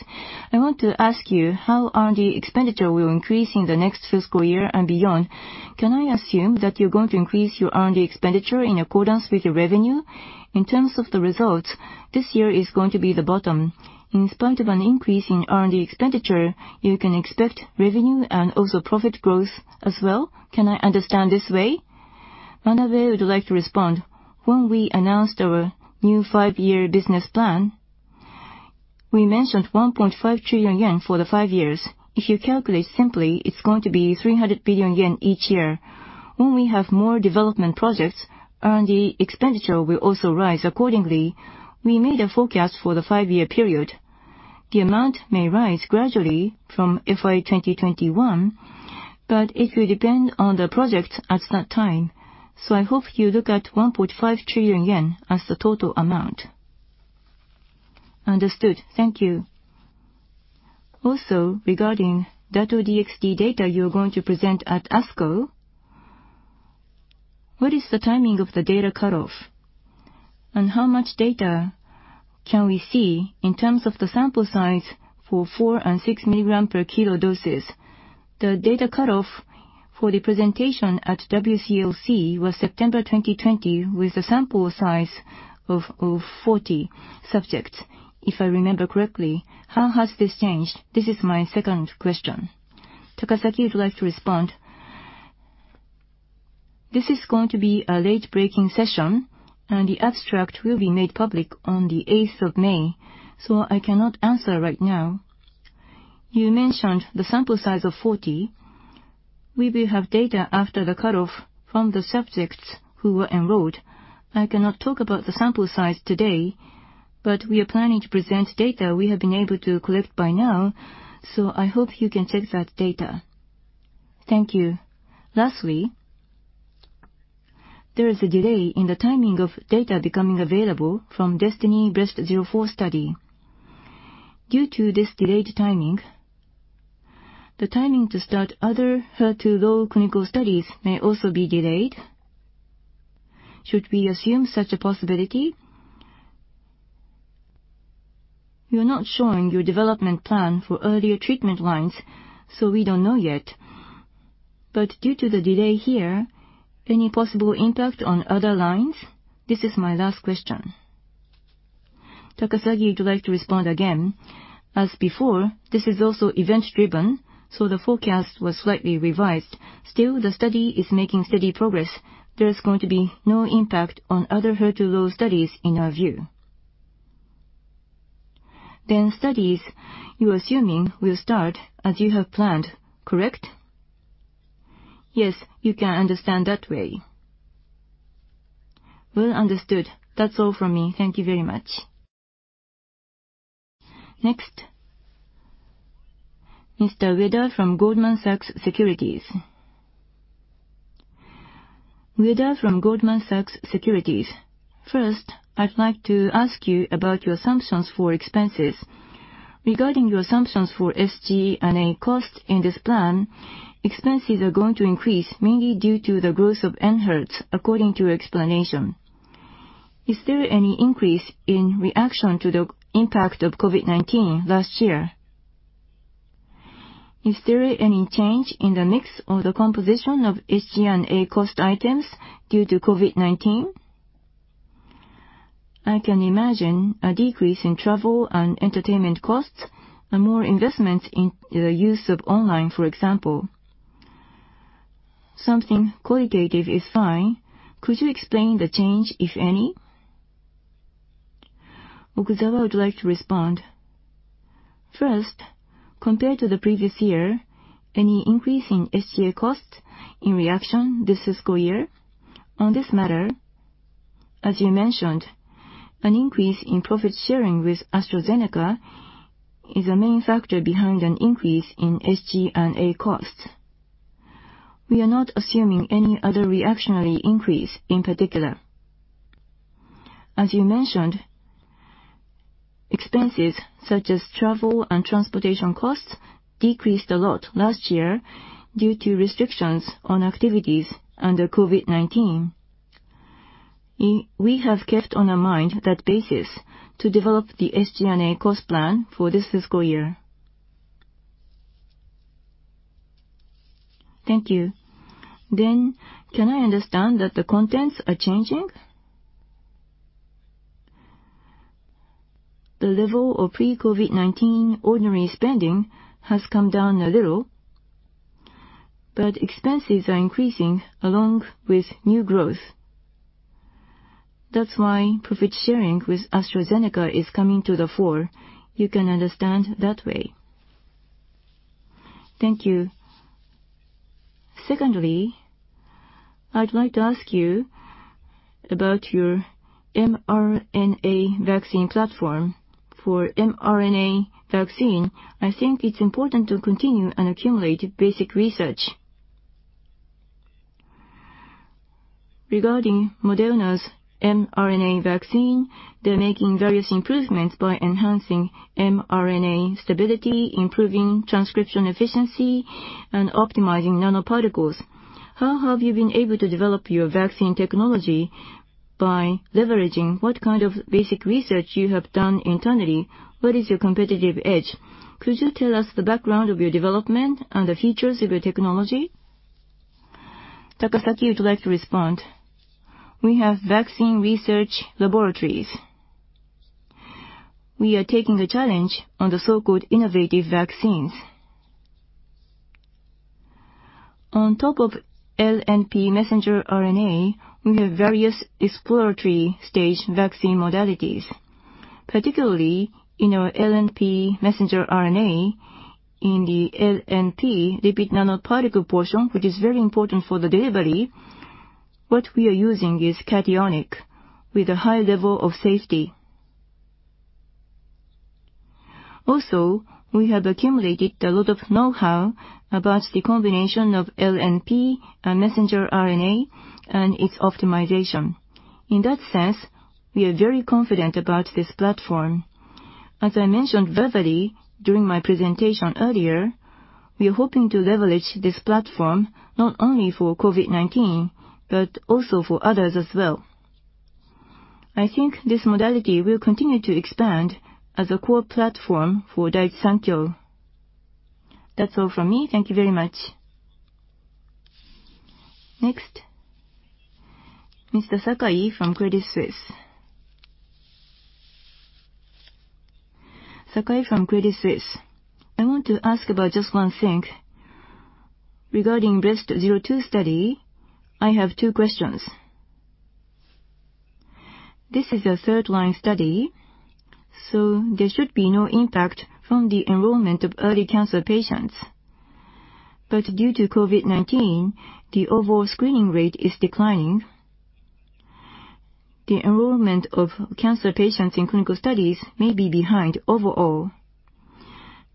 I want to ask you how R&D expenditure will increase in the next fiscal year and beyond. Can I assume that you're going to increase your R&D expenditure in accordance with your revenue? In terms of the results, this year is going to be the bottom. In spite of an increase in R&D expenditure, you can expect revenue and also profit growth as well. Can I understand this way? Manabe would like to respond. When we announced our new five-year business plan, we mentioned ¥1.5 trillion for the five years. If you calculate simply, it's going to be ¥300 billion each year. When we have more development projects, R&D expenditure will also rise accordingly. We made a forecast for the five-year period. The amount may rise gradually from FY 2021, but it will depend on the project at that time. I hope you look at ¥1.5 trillion as the total amount. Understood. Thank you. Regarding that DXd data you are going to present at ASCO, what is the timing of the data cut-off, and how much data can we see in terms of the sample size for 4 mg/kg and 6 mg/kg doses? The data cut-off for the presentation at WCLC was September 2020, with a sample size of 40 subjects, if I remember correctly. How has this changed? This is my second question. Takasaki would like to respond. This is going to be a late-breaking session, and the abstract will be made public on the 8th of May, so I cannot answer right now. You mentioned the sample size of 40. We will have data after the cut-off from the subjects who were enrolled. I cannot talk about the sample size today, but we are planning to present data we have been able to collect by now, so I hope you can check that data. Thank you. Lastly, there is a delay in the timing of data becoming available from DESTINY-Breast04 study. Due to this delayed timing, the timing to start other HER2-low clinical studies may also be delayed. Should we assume such a possibility? You're not showing your development plan for earlier treatment lines, so we don't know yet. Due to the delay here, any possible impact on other lines? This is my last question. Takasaki would like to respond again. As before, this is also event-driven, so the forecast was slightly revised. Still, the study is making steady progress. There's going to be no impact on other HER2-low studies in our view. Studies, you're assuming, will start as you have planned, correct? Yes, you can understand that way. Well understood. That's all from me. Thank you very much. Next, Mr. Ueda from Goldman Sachs Japan Co., Ltd. Ueda from Goldman Sachs Japan Co., Ltd. First, I'd like to ask you about your assumptions for expenses. Regarding your assumptions for SG&A costs in this plan, expenses are going to increase mainly due to the growth of ENHERTU, according to your explanation. Is there any increase in reaction to the impact of COVID-19 last year? Is there any change in the mix or the composition of SG&A cost items due to COVID-19? I can imagine a decrease in travel and entertainment costs and more investments in the use of online, for example. Something qualitative is fine. Could you explain the change, if any? Okuzawa would like to respond. First, compared to the previous year, any increase in SG&A costs in reaction this fiscal year? On this matter. As you mentioned, an increase in profit-sharing with AstraZeneca is a main factor behind an increase in SG&A costs. We are not assuming any other reactionary increase in particular. As you mentioned, expenses such as travel and transportation costs decreased a lot last year due to restrictions on activities under COVID-19. We have kept on our mind that basis to develop the SG&A cost plan for this fiscal year. Thank you. Can I understand that the contents are changing? The level of pre-COVID-19 ordinary spending has come down a little, but expenses are increasing along with new growth. That's why profit-sharing with AstraZeneca is coming to the fore. You can understand it that way. Thank you. I'd like to ask you about your mRNA vaccine platform. For mRNA vaccine, I think it's important to continue and accumulate basic research. Regarding Moderna's mRNA vaccine, they're making various improvements by enhancing mRNA stability, improving transcription efficiency, and optimizing nanoparticles. How have you been able to develop your vaccine technology by leveraging what kind of basic research you have done internally? What is your competitive edge? Could you tell us the background of your development and the features of your technology? Takasaki, would you like to respond. We have vaccine research laboratories. We are taking a challenge on the so-called innovative vaccines. On top of LNP messenger RNA, we have various exploratory stage vaccine modalities. Particularly in our LNP messenger RNA, in the LNP, lipid nanoparticle portion, which is very important for the delivery, what we are using is cationic, with a high level of safety. We have accumulated a lot of know-how about the combination of LNP and messenger RNA and its optimization. In that sense, we are very confident about this platform. As I mentioned verbally during my presentation earlier, we are hoping to leverage this platform not only for COVID-19, but also for others as well. I think this modality will continue to expand as a core platform for Daiichi Sankyo. That's all from me. Thank you very much. Next, Mr. Sakai from Credit Suisse. Sakai from Credit Suisse. I want to ask about just one thing. Regarding DESTINY-Breast02 study, I have two questions. This is a third-line study, so there should be no impact from the enrollment of early cancer patients. Due to COVID-19, the overall screening rate is declining. The enrollment of cancer patients in clinical studies may be behind overall.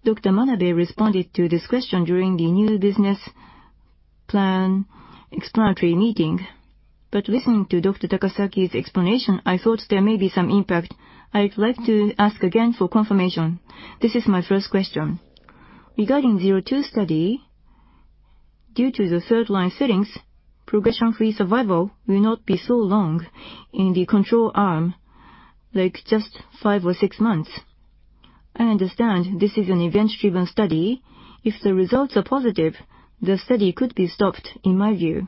Dr. Manabe responded to this question during the new business plan explanatory meeting. Listening to Dr. Takasaki's explanation, I thought there may be some impact. I'd like to ask again for confirmation. This is my first question. Regarding phase II study, due to the third line settings, progression-free survival will not be so long in the control arm, like just five or six months. I understand this is an event-driven study. If the results are positive, the study could be stopped, in my view.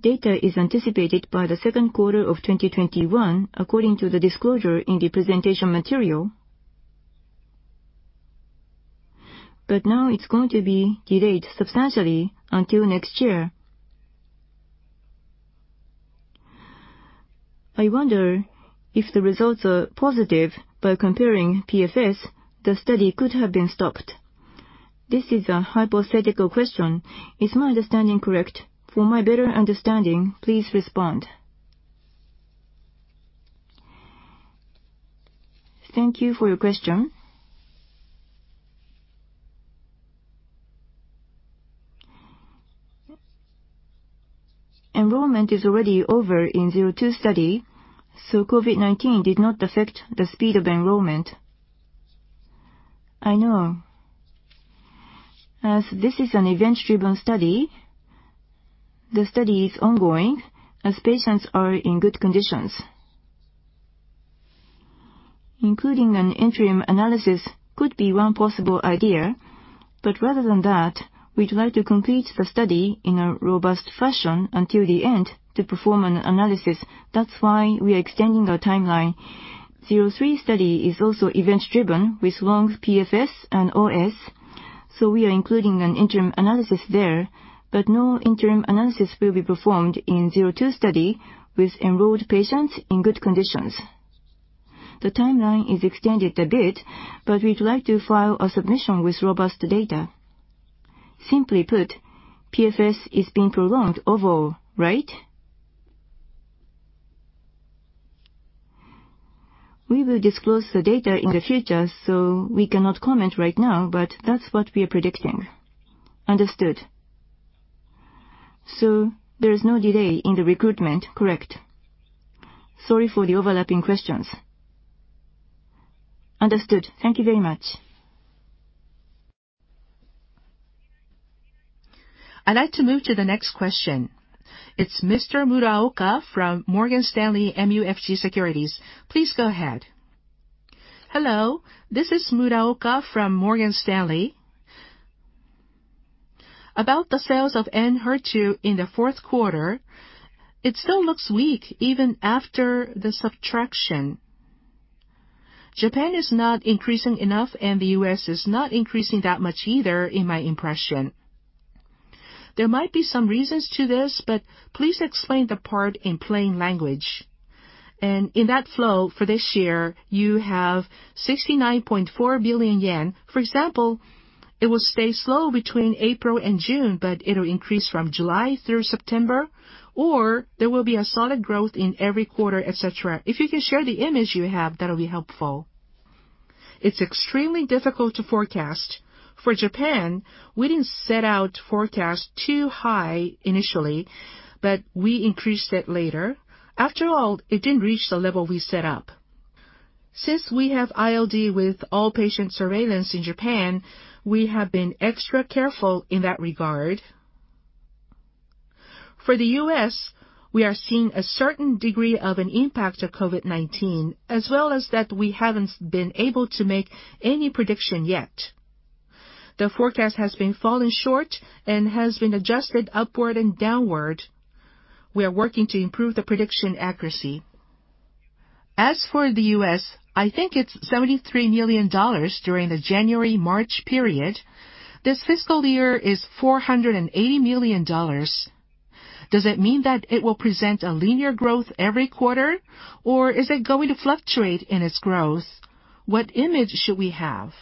Data is anticipated by the second quarter of 2021, according to the disclosure in the presentation material. Now it's going to be delayed substantially until next year. I wonder, if the results are positive, by comparing PFS, the study could have been stopped. This is a hypothetical question. Is my understanding correct? For my better understanding, please respond. Thank you for your question. Enrollment is already over in phase II study, so COVID-19 did not affect the speed of enrollment. I know. As this is an event-driven study, the study is ongoing as patients are in good conditions. Including an interim analysis could be one possible idea, but rather than that, we'd like to complete the study in a robust fashion until the end to perform an analysis. That's why we are extending our timeline. phase III study is also event-driven with long PFS and OS, so we are including an interim analysis there, but no interim analysis will be performed in phase II study with enrolled patients in good conditions. The timeline is extended a bit, but we'd like to file a submission with robust data. Simply put, PFS is been prolonged overall, right? We will disclose the data in the future, so we cannot comment right now, but that is what we are predicting. Understood. There is no delay in the recruitment, correct? Sorry for the overlapping questions. Understood. Thank you very much. I'd like to move to the next question. It's Mr. Muraoka from Morgan Stanley MUFG Securities. Please go ahead. Hello. This is Muraoka from Morgan Stanley. About the sales of ENHERTU in the fourth quarter, it still looks weak even after the subtraction. Japan is not increasing enough. The U.S. is not increasing that much either, in my impression. There might be some reasons to this. Please explain the part in plain language. In that flow for this year, you have 69.4 billion yen. For example, it will stay slow between April and June. It'll increase from July through September. There will be a solid growth in every quarter, et cetera. If you can share the image you have, that'll be helpful. It's extremely difficult to forecast. For Japan, we didn't set out forecasts too high initially. We increased it later. After all, it didn't reach the level we set up. Since we have ILD with all patient surveillance in Japan, we have been extra careful in that regard. For the U.S., we are seeing a certain degree of an impact of COVID-19, as well as that we haven't been able to make any prediction yet. The forecast has been fallen short and has been adjusted upward and downward. We are working to improve the prediction accuracy. As for the U.S., I think it's $73 million during the January-March period. This fiscal year is $480 million. Does it mean that it will present a linear growth every quarter, or is it going to fluctuate in its growth? What image should we have?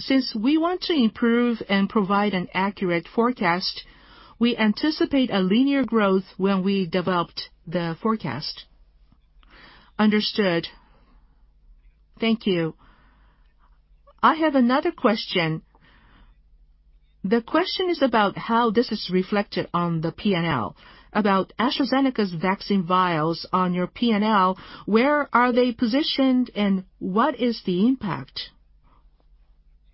Since we want to improve and provide an accurate forecast, we anticipate a linear growth when we developed the forecast. Understood. Thank you. I have another question. The question is about how this is reflected on the P&L. About AstraZeneca's vaccine vials on your P&L, where are they positioned and what is the impact?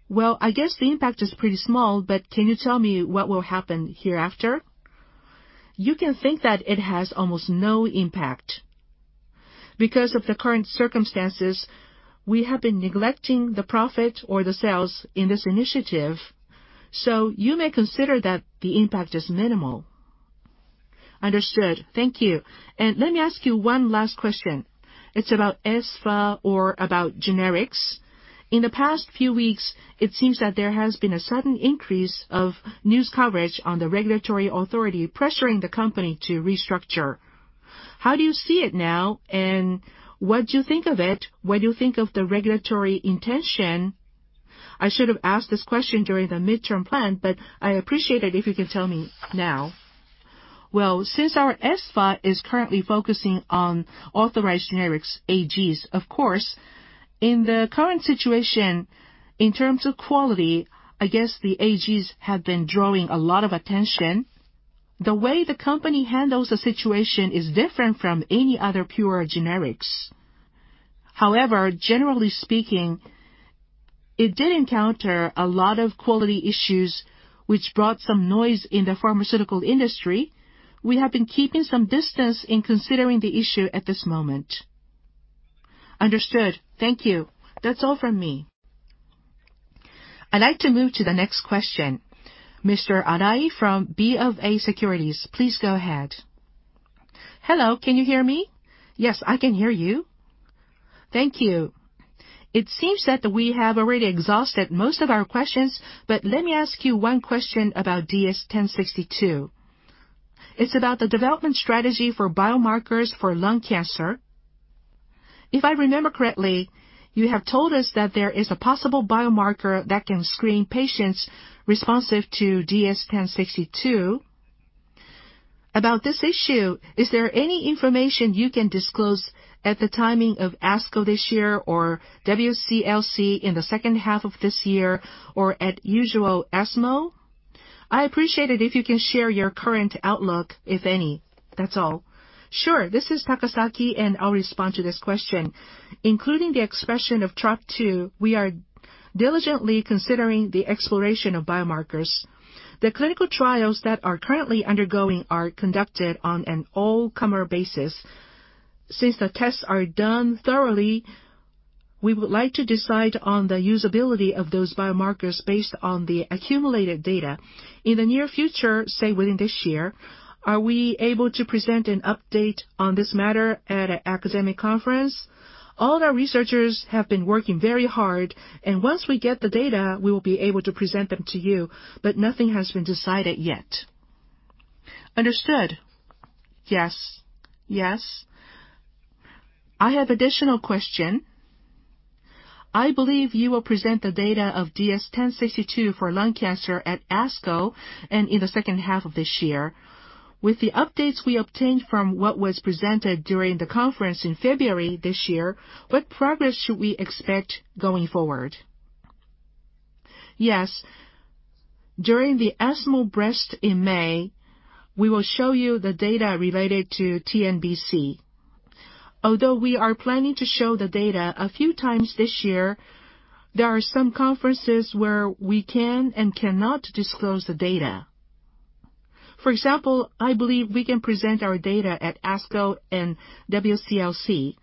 Well, I guess the impact is pretty small, can you tell me what will happen hereafter? You can think that it has almost no impact. Because of the current circumstances, we have been neglecting the profit or the sales in this initiative, you may consider that the impact is minimal. Understood. Thank you. Let me ask you one last question. It's about Espha or about generics. In the past few weeks, it seems that there has been a sudden increase of news coverage on the regulatory authority pressuring the company to restructure. How do you see it now, what do you think of it? What do you think of the regulatory intention? I should have asked this question during the midterm plan, but I appreciate it if you can tell me now. Well, since our Espha is currently focusing on Authorized Generics, AGs, of course, in the current situation in terms of quality, I guess the AGs have been drawing a lot of attention. The way the company handles the situation is different from any other pure generics. Generally speaking, it did encounter a lot of quality issues, which brought some noise in the pharmaceutical industry. We have been keeping some distance in considering the issue at this moment. Understood. Thank you. That's all from me. I'd like to move to the next question. Mr. Arai from BofA Securities, please go ahead. Hello, can you hear me? Yes, I can hear you. Thank you. It seems that we have already exhausted most of our questions, but let me ask you one question about DS-1062. It's about the development strategy for biomarkers for lung cancer. If I remember correctly, you have told us that there is a possible biomarker that can screen patients responsive to DS-1062. About this issue, is there any information you can disclose at the timing of ASCO this year or WCLC in the second half of this year or at usual ESMO? I appreciate it if you can share your current outlook, if any. That's all. Sure. This is Takasaki, and I'll respond to this question. Including the expression of Trop-2, we are diligently considering the exploration of biomarkers. The clinical trials that are currently undergoing are conducted on an all-comer basis. Since the tests are done thoroughly, we would like to decide on the usability of those biomarkers based on the accumulated data. In the near future, say within this year, are we able to present an update on this matter at an academic conference? All our researchers have been working very hard, and once we get the data, we will be able to present them to you. Nothing has been decided yet. Understood. Yes. Yes. I have additional question. I believe you will present the data of DS-1062 for lung cancer at ASCO in the second half of this year. With the updates we obtained from what was presented during the conference in February this year, what progress should we expect going forward? Yes. During the ESMO Breast in May, we will show you the data related to TNBC. Although we are planning to show the data a few times this year, there are some conferences where we can and cannot disclose the data. For example, I believe we can present our data at ASCO and WCLC.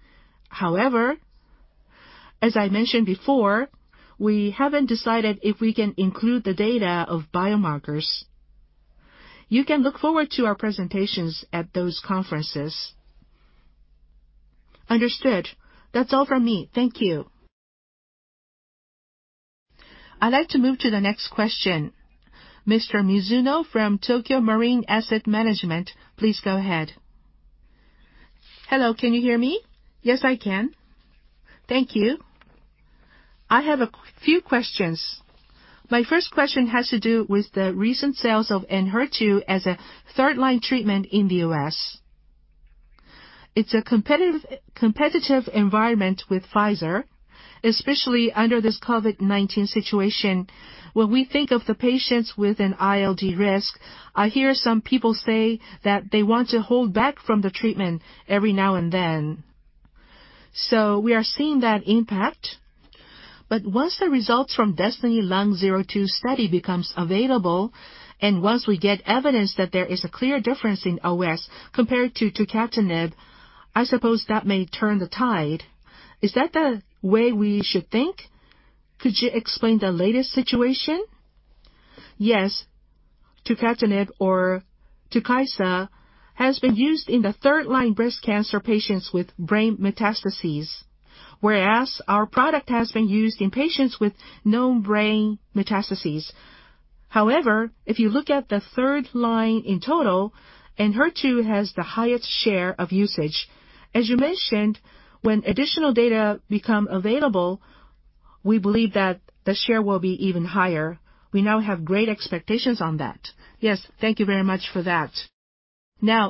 As I mentioned before, we haven't decided if we can include the data of biomarkers. You can look forward to our presentations at those conferences. Understood. That's all from me. Thank you. I'd like to move to the next question. Mr. Mizuno from Tokio Marine Asset Management, please go ahead. Hello, can you hear me? Yes, I can. Thank you. I have a few questions. My first question has to do with the recent sales of ENHERTU as a third-line treatment in the U.S. It's a competitive environment with Pfizer, especially under this COVID-19 situation. When we think of the patients with an ILD risk, I hear some people say that they want to hold back from the treatment every now and then. We are seeing that impact. Once the results from DESTINY-Lung02 becomes available, and once we get evidence that there is a clear difference in OS compared to tucatinib, I suppose that may turn the tide. Is that the way we should think? Could you explain the latest situation? Yes. tucatinib or TUKYSA has been used in the third-line breast cancer patients with brain metastases, whereas our product has been used in patients with no brain metastases. However, if you look at the third line in total, ENHERTU has the highest share of usage. As you mentioned, when additional data become available, we believe that the share will be even higher. We now have great expectations on that. Yes. Thank you very much for that.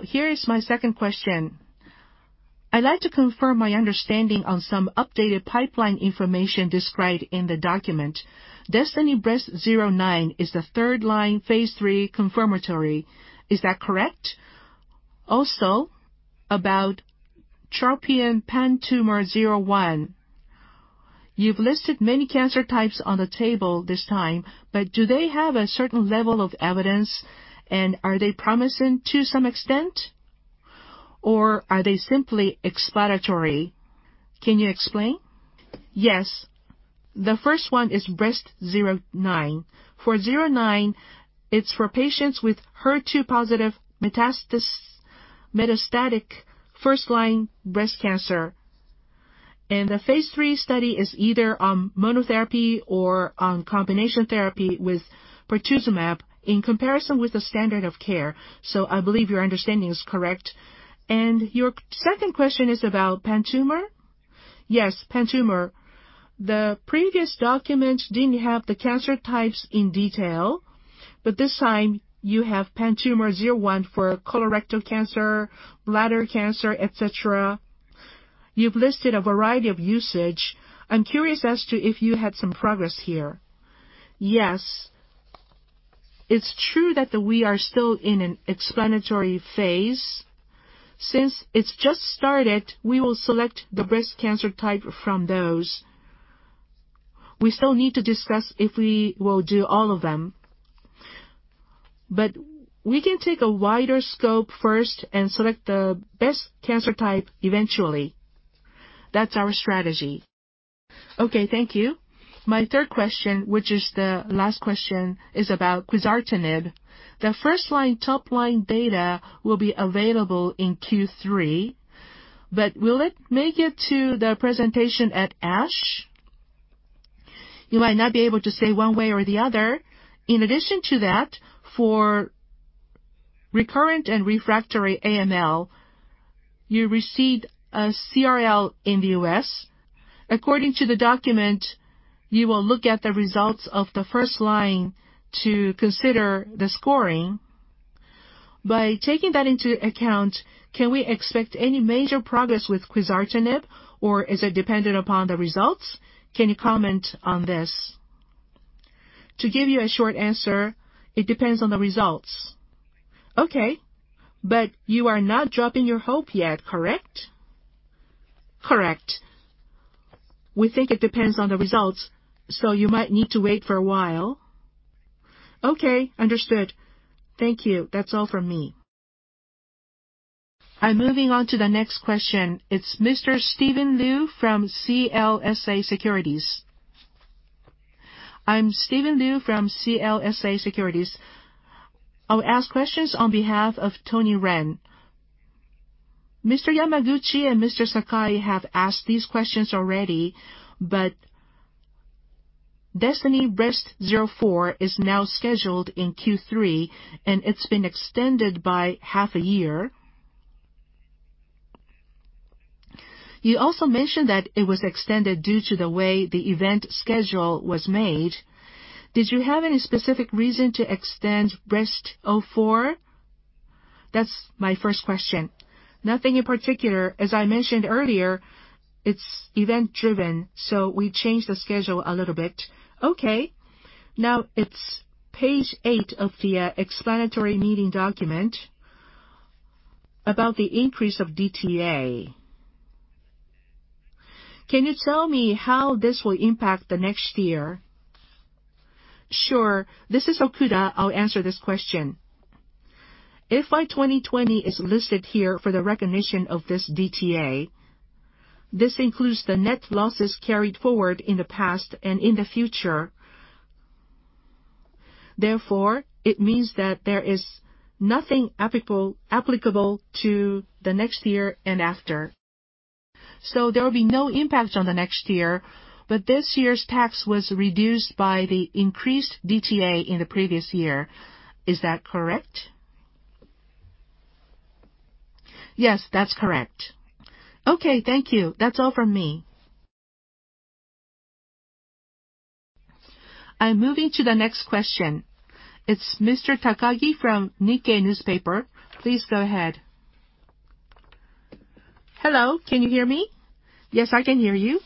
Here is my second question. I'd like to confirm my understanding on some updated pipeline information described in the document. DESTINY-Breast09 is the third-line phase III confirmatory. Is that correct? About TROPION-PanTumor01. You've listed many cancer types on the table this time, do they have a certain level of evidence? Are they promising to some extent? Are they simply exploratory? Can you explain? Yes. The first one is Breast09. For Breast09, it's for patients with HER2-positive metastatic first-line breast cancer. The phase III study is either on monotherapy or on combination therapy with pertuzumab in comparison with the standard of care. I believe your understanding is correct. Your second question is about pan-tumor? Yes, pan-tumor. The previous documents didn't have the cancer types in detail, but this time you have DESTINY-PanTumor01 for colorectal cancer, bladder cancer, et cetera. You've listed a variety of usage. I'm curious as to if you had some progress here? Yes. It's true that we are still in an explanatory phase. Since it's just started, we will select the best cancer type from those. We still need to discuss if we will do all of them. We can take a wider scope first and select the best cancer type eventually. That's our strategy. Okay, thank you. My third question, which is the last question, is about quizartinib. The first-line top-line data will be available in Q3. Will it make it to the presentation at ASH? You might not be able to say one way or the other. In addition to that, for recurrent and refractory AML, you received a CRL in the U.S. According to the document, you will look at the results of the first line to consider the scoring. By taking that into account, can we expect any major progress with quizartinib, or is it dependent upon the results? Can you comment on this? To give you a short answer, it depends on the results. Okay, you are not dropping your hope yet, correct? Correct. We think it depends on the results, you might need to wait for a while. Okay, understood. Thank you. That's all from me. I'm moving on to the next question. It's Mr. Steven Liu from CLSA Securities. I'm Steven Liu from CLSA Securities. I'll ask questions on behalf of Tony Ren. Mr. Yamaguchi and Mr. Sakai have asked these questions already, DESTINY-Breast04 is now scheduled in Q3, and it's been extended by half a year. You also mentioned that it was extended due to the way the event schedule was made. Did you have any specific reason to extend DESTINY-Breast04? That's my first question. Nothing in particular. As I mentioned earlier, it's event driven, we changed the schedule a little bit. Okay. Now it's page eight of the explanatory meeting document about the increase of DTA. Can you tell me how this will impact the next year? Sure. This is Okuda. I'll answer this question. FY 2020 is listed here for the recognition of this DTA. This includes the net losses carried forward in the past and in the future. It means that there is nothing applicable to the next year and after. There will be no impact on the next year, but this year's tax was reduced by the increased DTA in the previous year. Is that correct? Yes, that's correct. Okay. Thank you. That's all from me. I'm moving to the next question. It's Mr. Takagi from Nikkei Newspaper. Please go ahead. Hello. Can you hear me? Yes, I can hear you.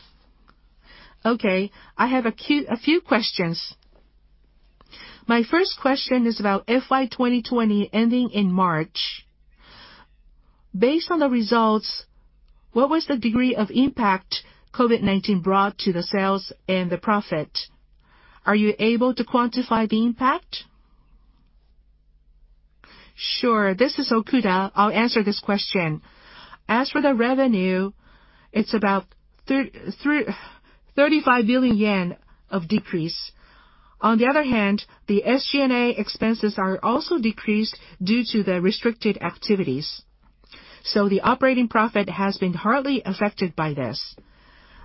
Okay. I have a few questions. My first question is about FY 2020 ending in March. Based on the results, what was the degree of impact COVID-19 brought to the sales and the profit? Are you able to quantify the impact? Sure. This is Okuda. I'll answer this question. As for the revenue, it's about 35 billion yen of decrease. On the other hand, the SG&A expenses are also decreased due to the restricted activities, so the operating profit has been hardly affected by this.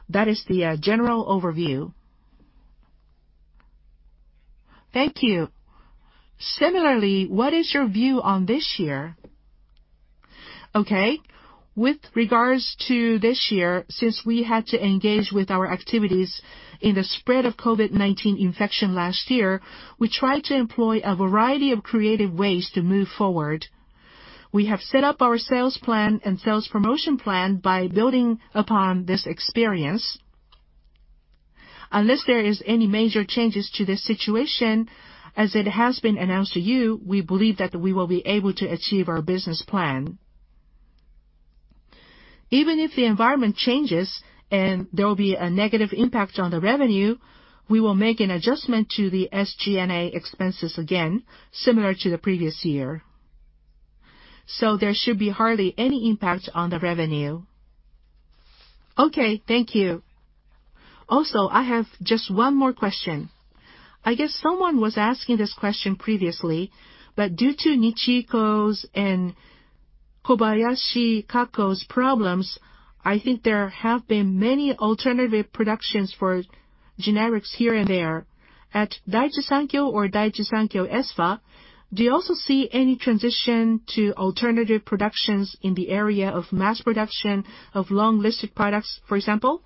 That is the general overview. Thank you. Similarly, what is your view on this year? With regards to this year, since we had to engage with our activities in the spread of COVID-19 infection last year, we tried to employ a variety of creative ways to move forward. We have set up our sales plan and sales promotion plan by building upon this experience. Unless there is any major changes to this situation, as it has been announced to you, we believe that we will be able to achieve our business plan. Even if the environment changes and there will be a negative impact on the revenue, we will make an adjustment to the SG&A expenses again, similar to the previous year. There should be hardly any impact on the revenue. Thank you. I have just one more question. I guess someone was asking this question previously, but due to Nichi-Iko's and Kobayashi Kako's problems, I think there have been many alternative productions for generics here and there. At Daiichi Sankyo or Daiichi Sankyo Espha, do you also see any transition to alternative productions in the area of mass production of long-listed products, for example?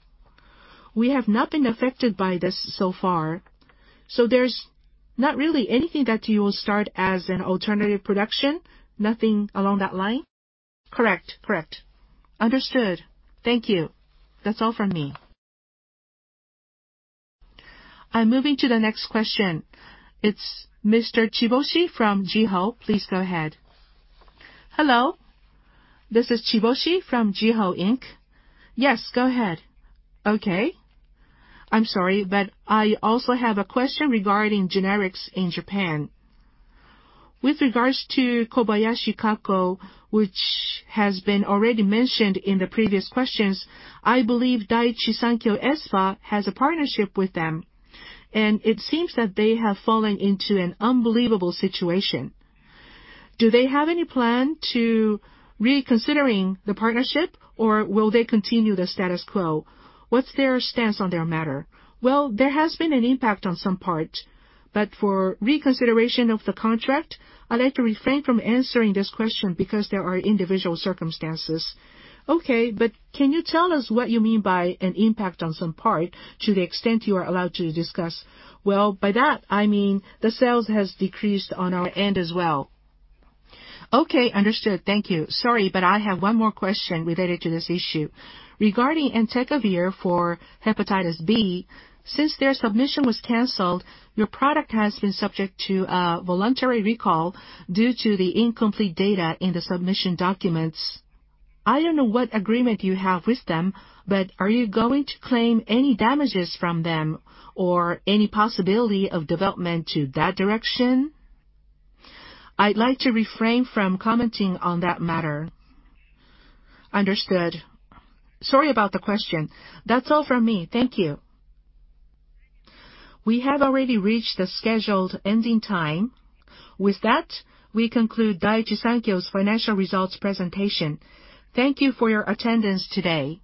We have not been affected by this so far. There's not really anything that you will start as an alternative production? Nothing along that line? Correct. Understood. Thank you. That's all from me. I'm moving to the next question. It's Mr. Chiboshi from Jiho. Please go ahead. Hello. This is Chiboshi from Jiho, Inc. Yes, go ahead. Okay. I'm sorry, but I also have a question regarding generics in Japan. With regards to Kobayashi Kako, which has been already mentioned in the previous questions, I believe Daiichi Sankyo Espha has a partnership with them, and it seems that they have fallen into an unbelievable situation. Do they have any plan to reconsidering the partnership, or will they continue the status quo? What's their stance on their matter? Well, there has been an impact on some part, but for reconsideration of the contract, I'd like to refrain from answering this question because there are individual circumstances. Okay. Can you tell us what you mean by an impact on some part to the extent you are allowed to discuss? Well, by that I mean the sales has decreased on our end as well. Okay, understood. Thank you. Sorry, but I have one more question related to this issue. Regarding entecavir for hepatitis B, since their submission was canceled, your product has been subject to a voluntary recall due to the incomplete data in the submission documents. I don't know what agreement you have with them, but are you going to claim any damages from them or any possibility of development to that direction? I'd like to refrain from commenting on that matter. Understood. Sorry about the question. That's all from me. Thank you. We have already reached the scheduled ending time. With that, we conclude Daiichi Sankyo's financial results presentation. Thank you for your attendance today.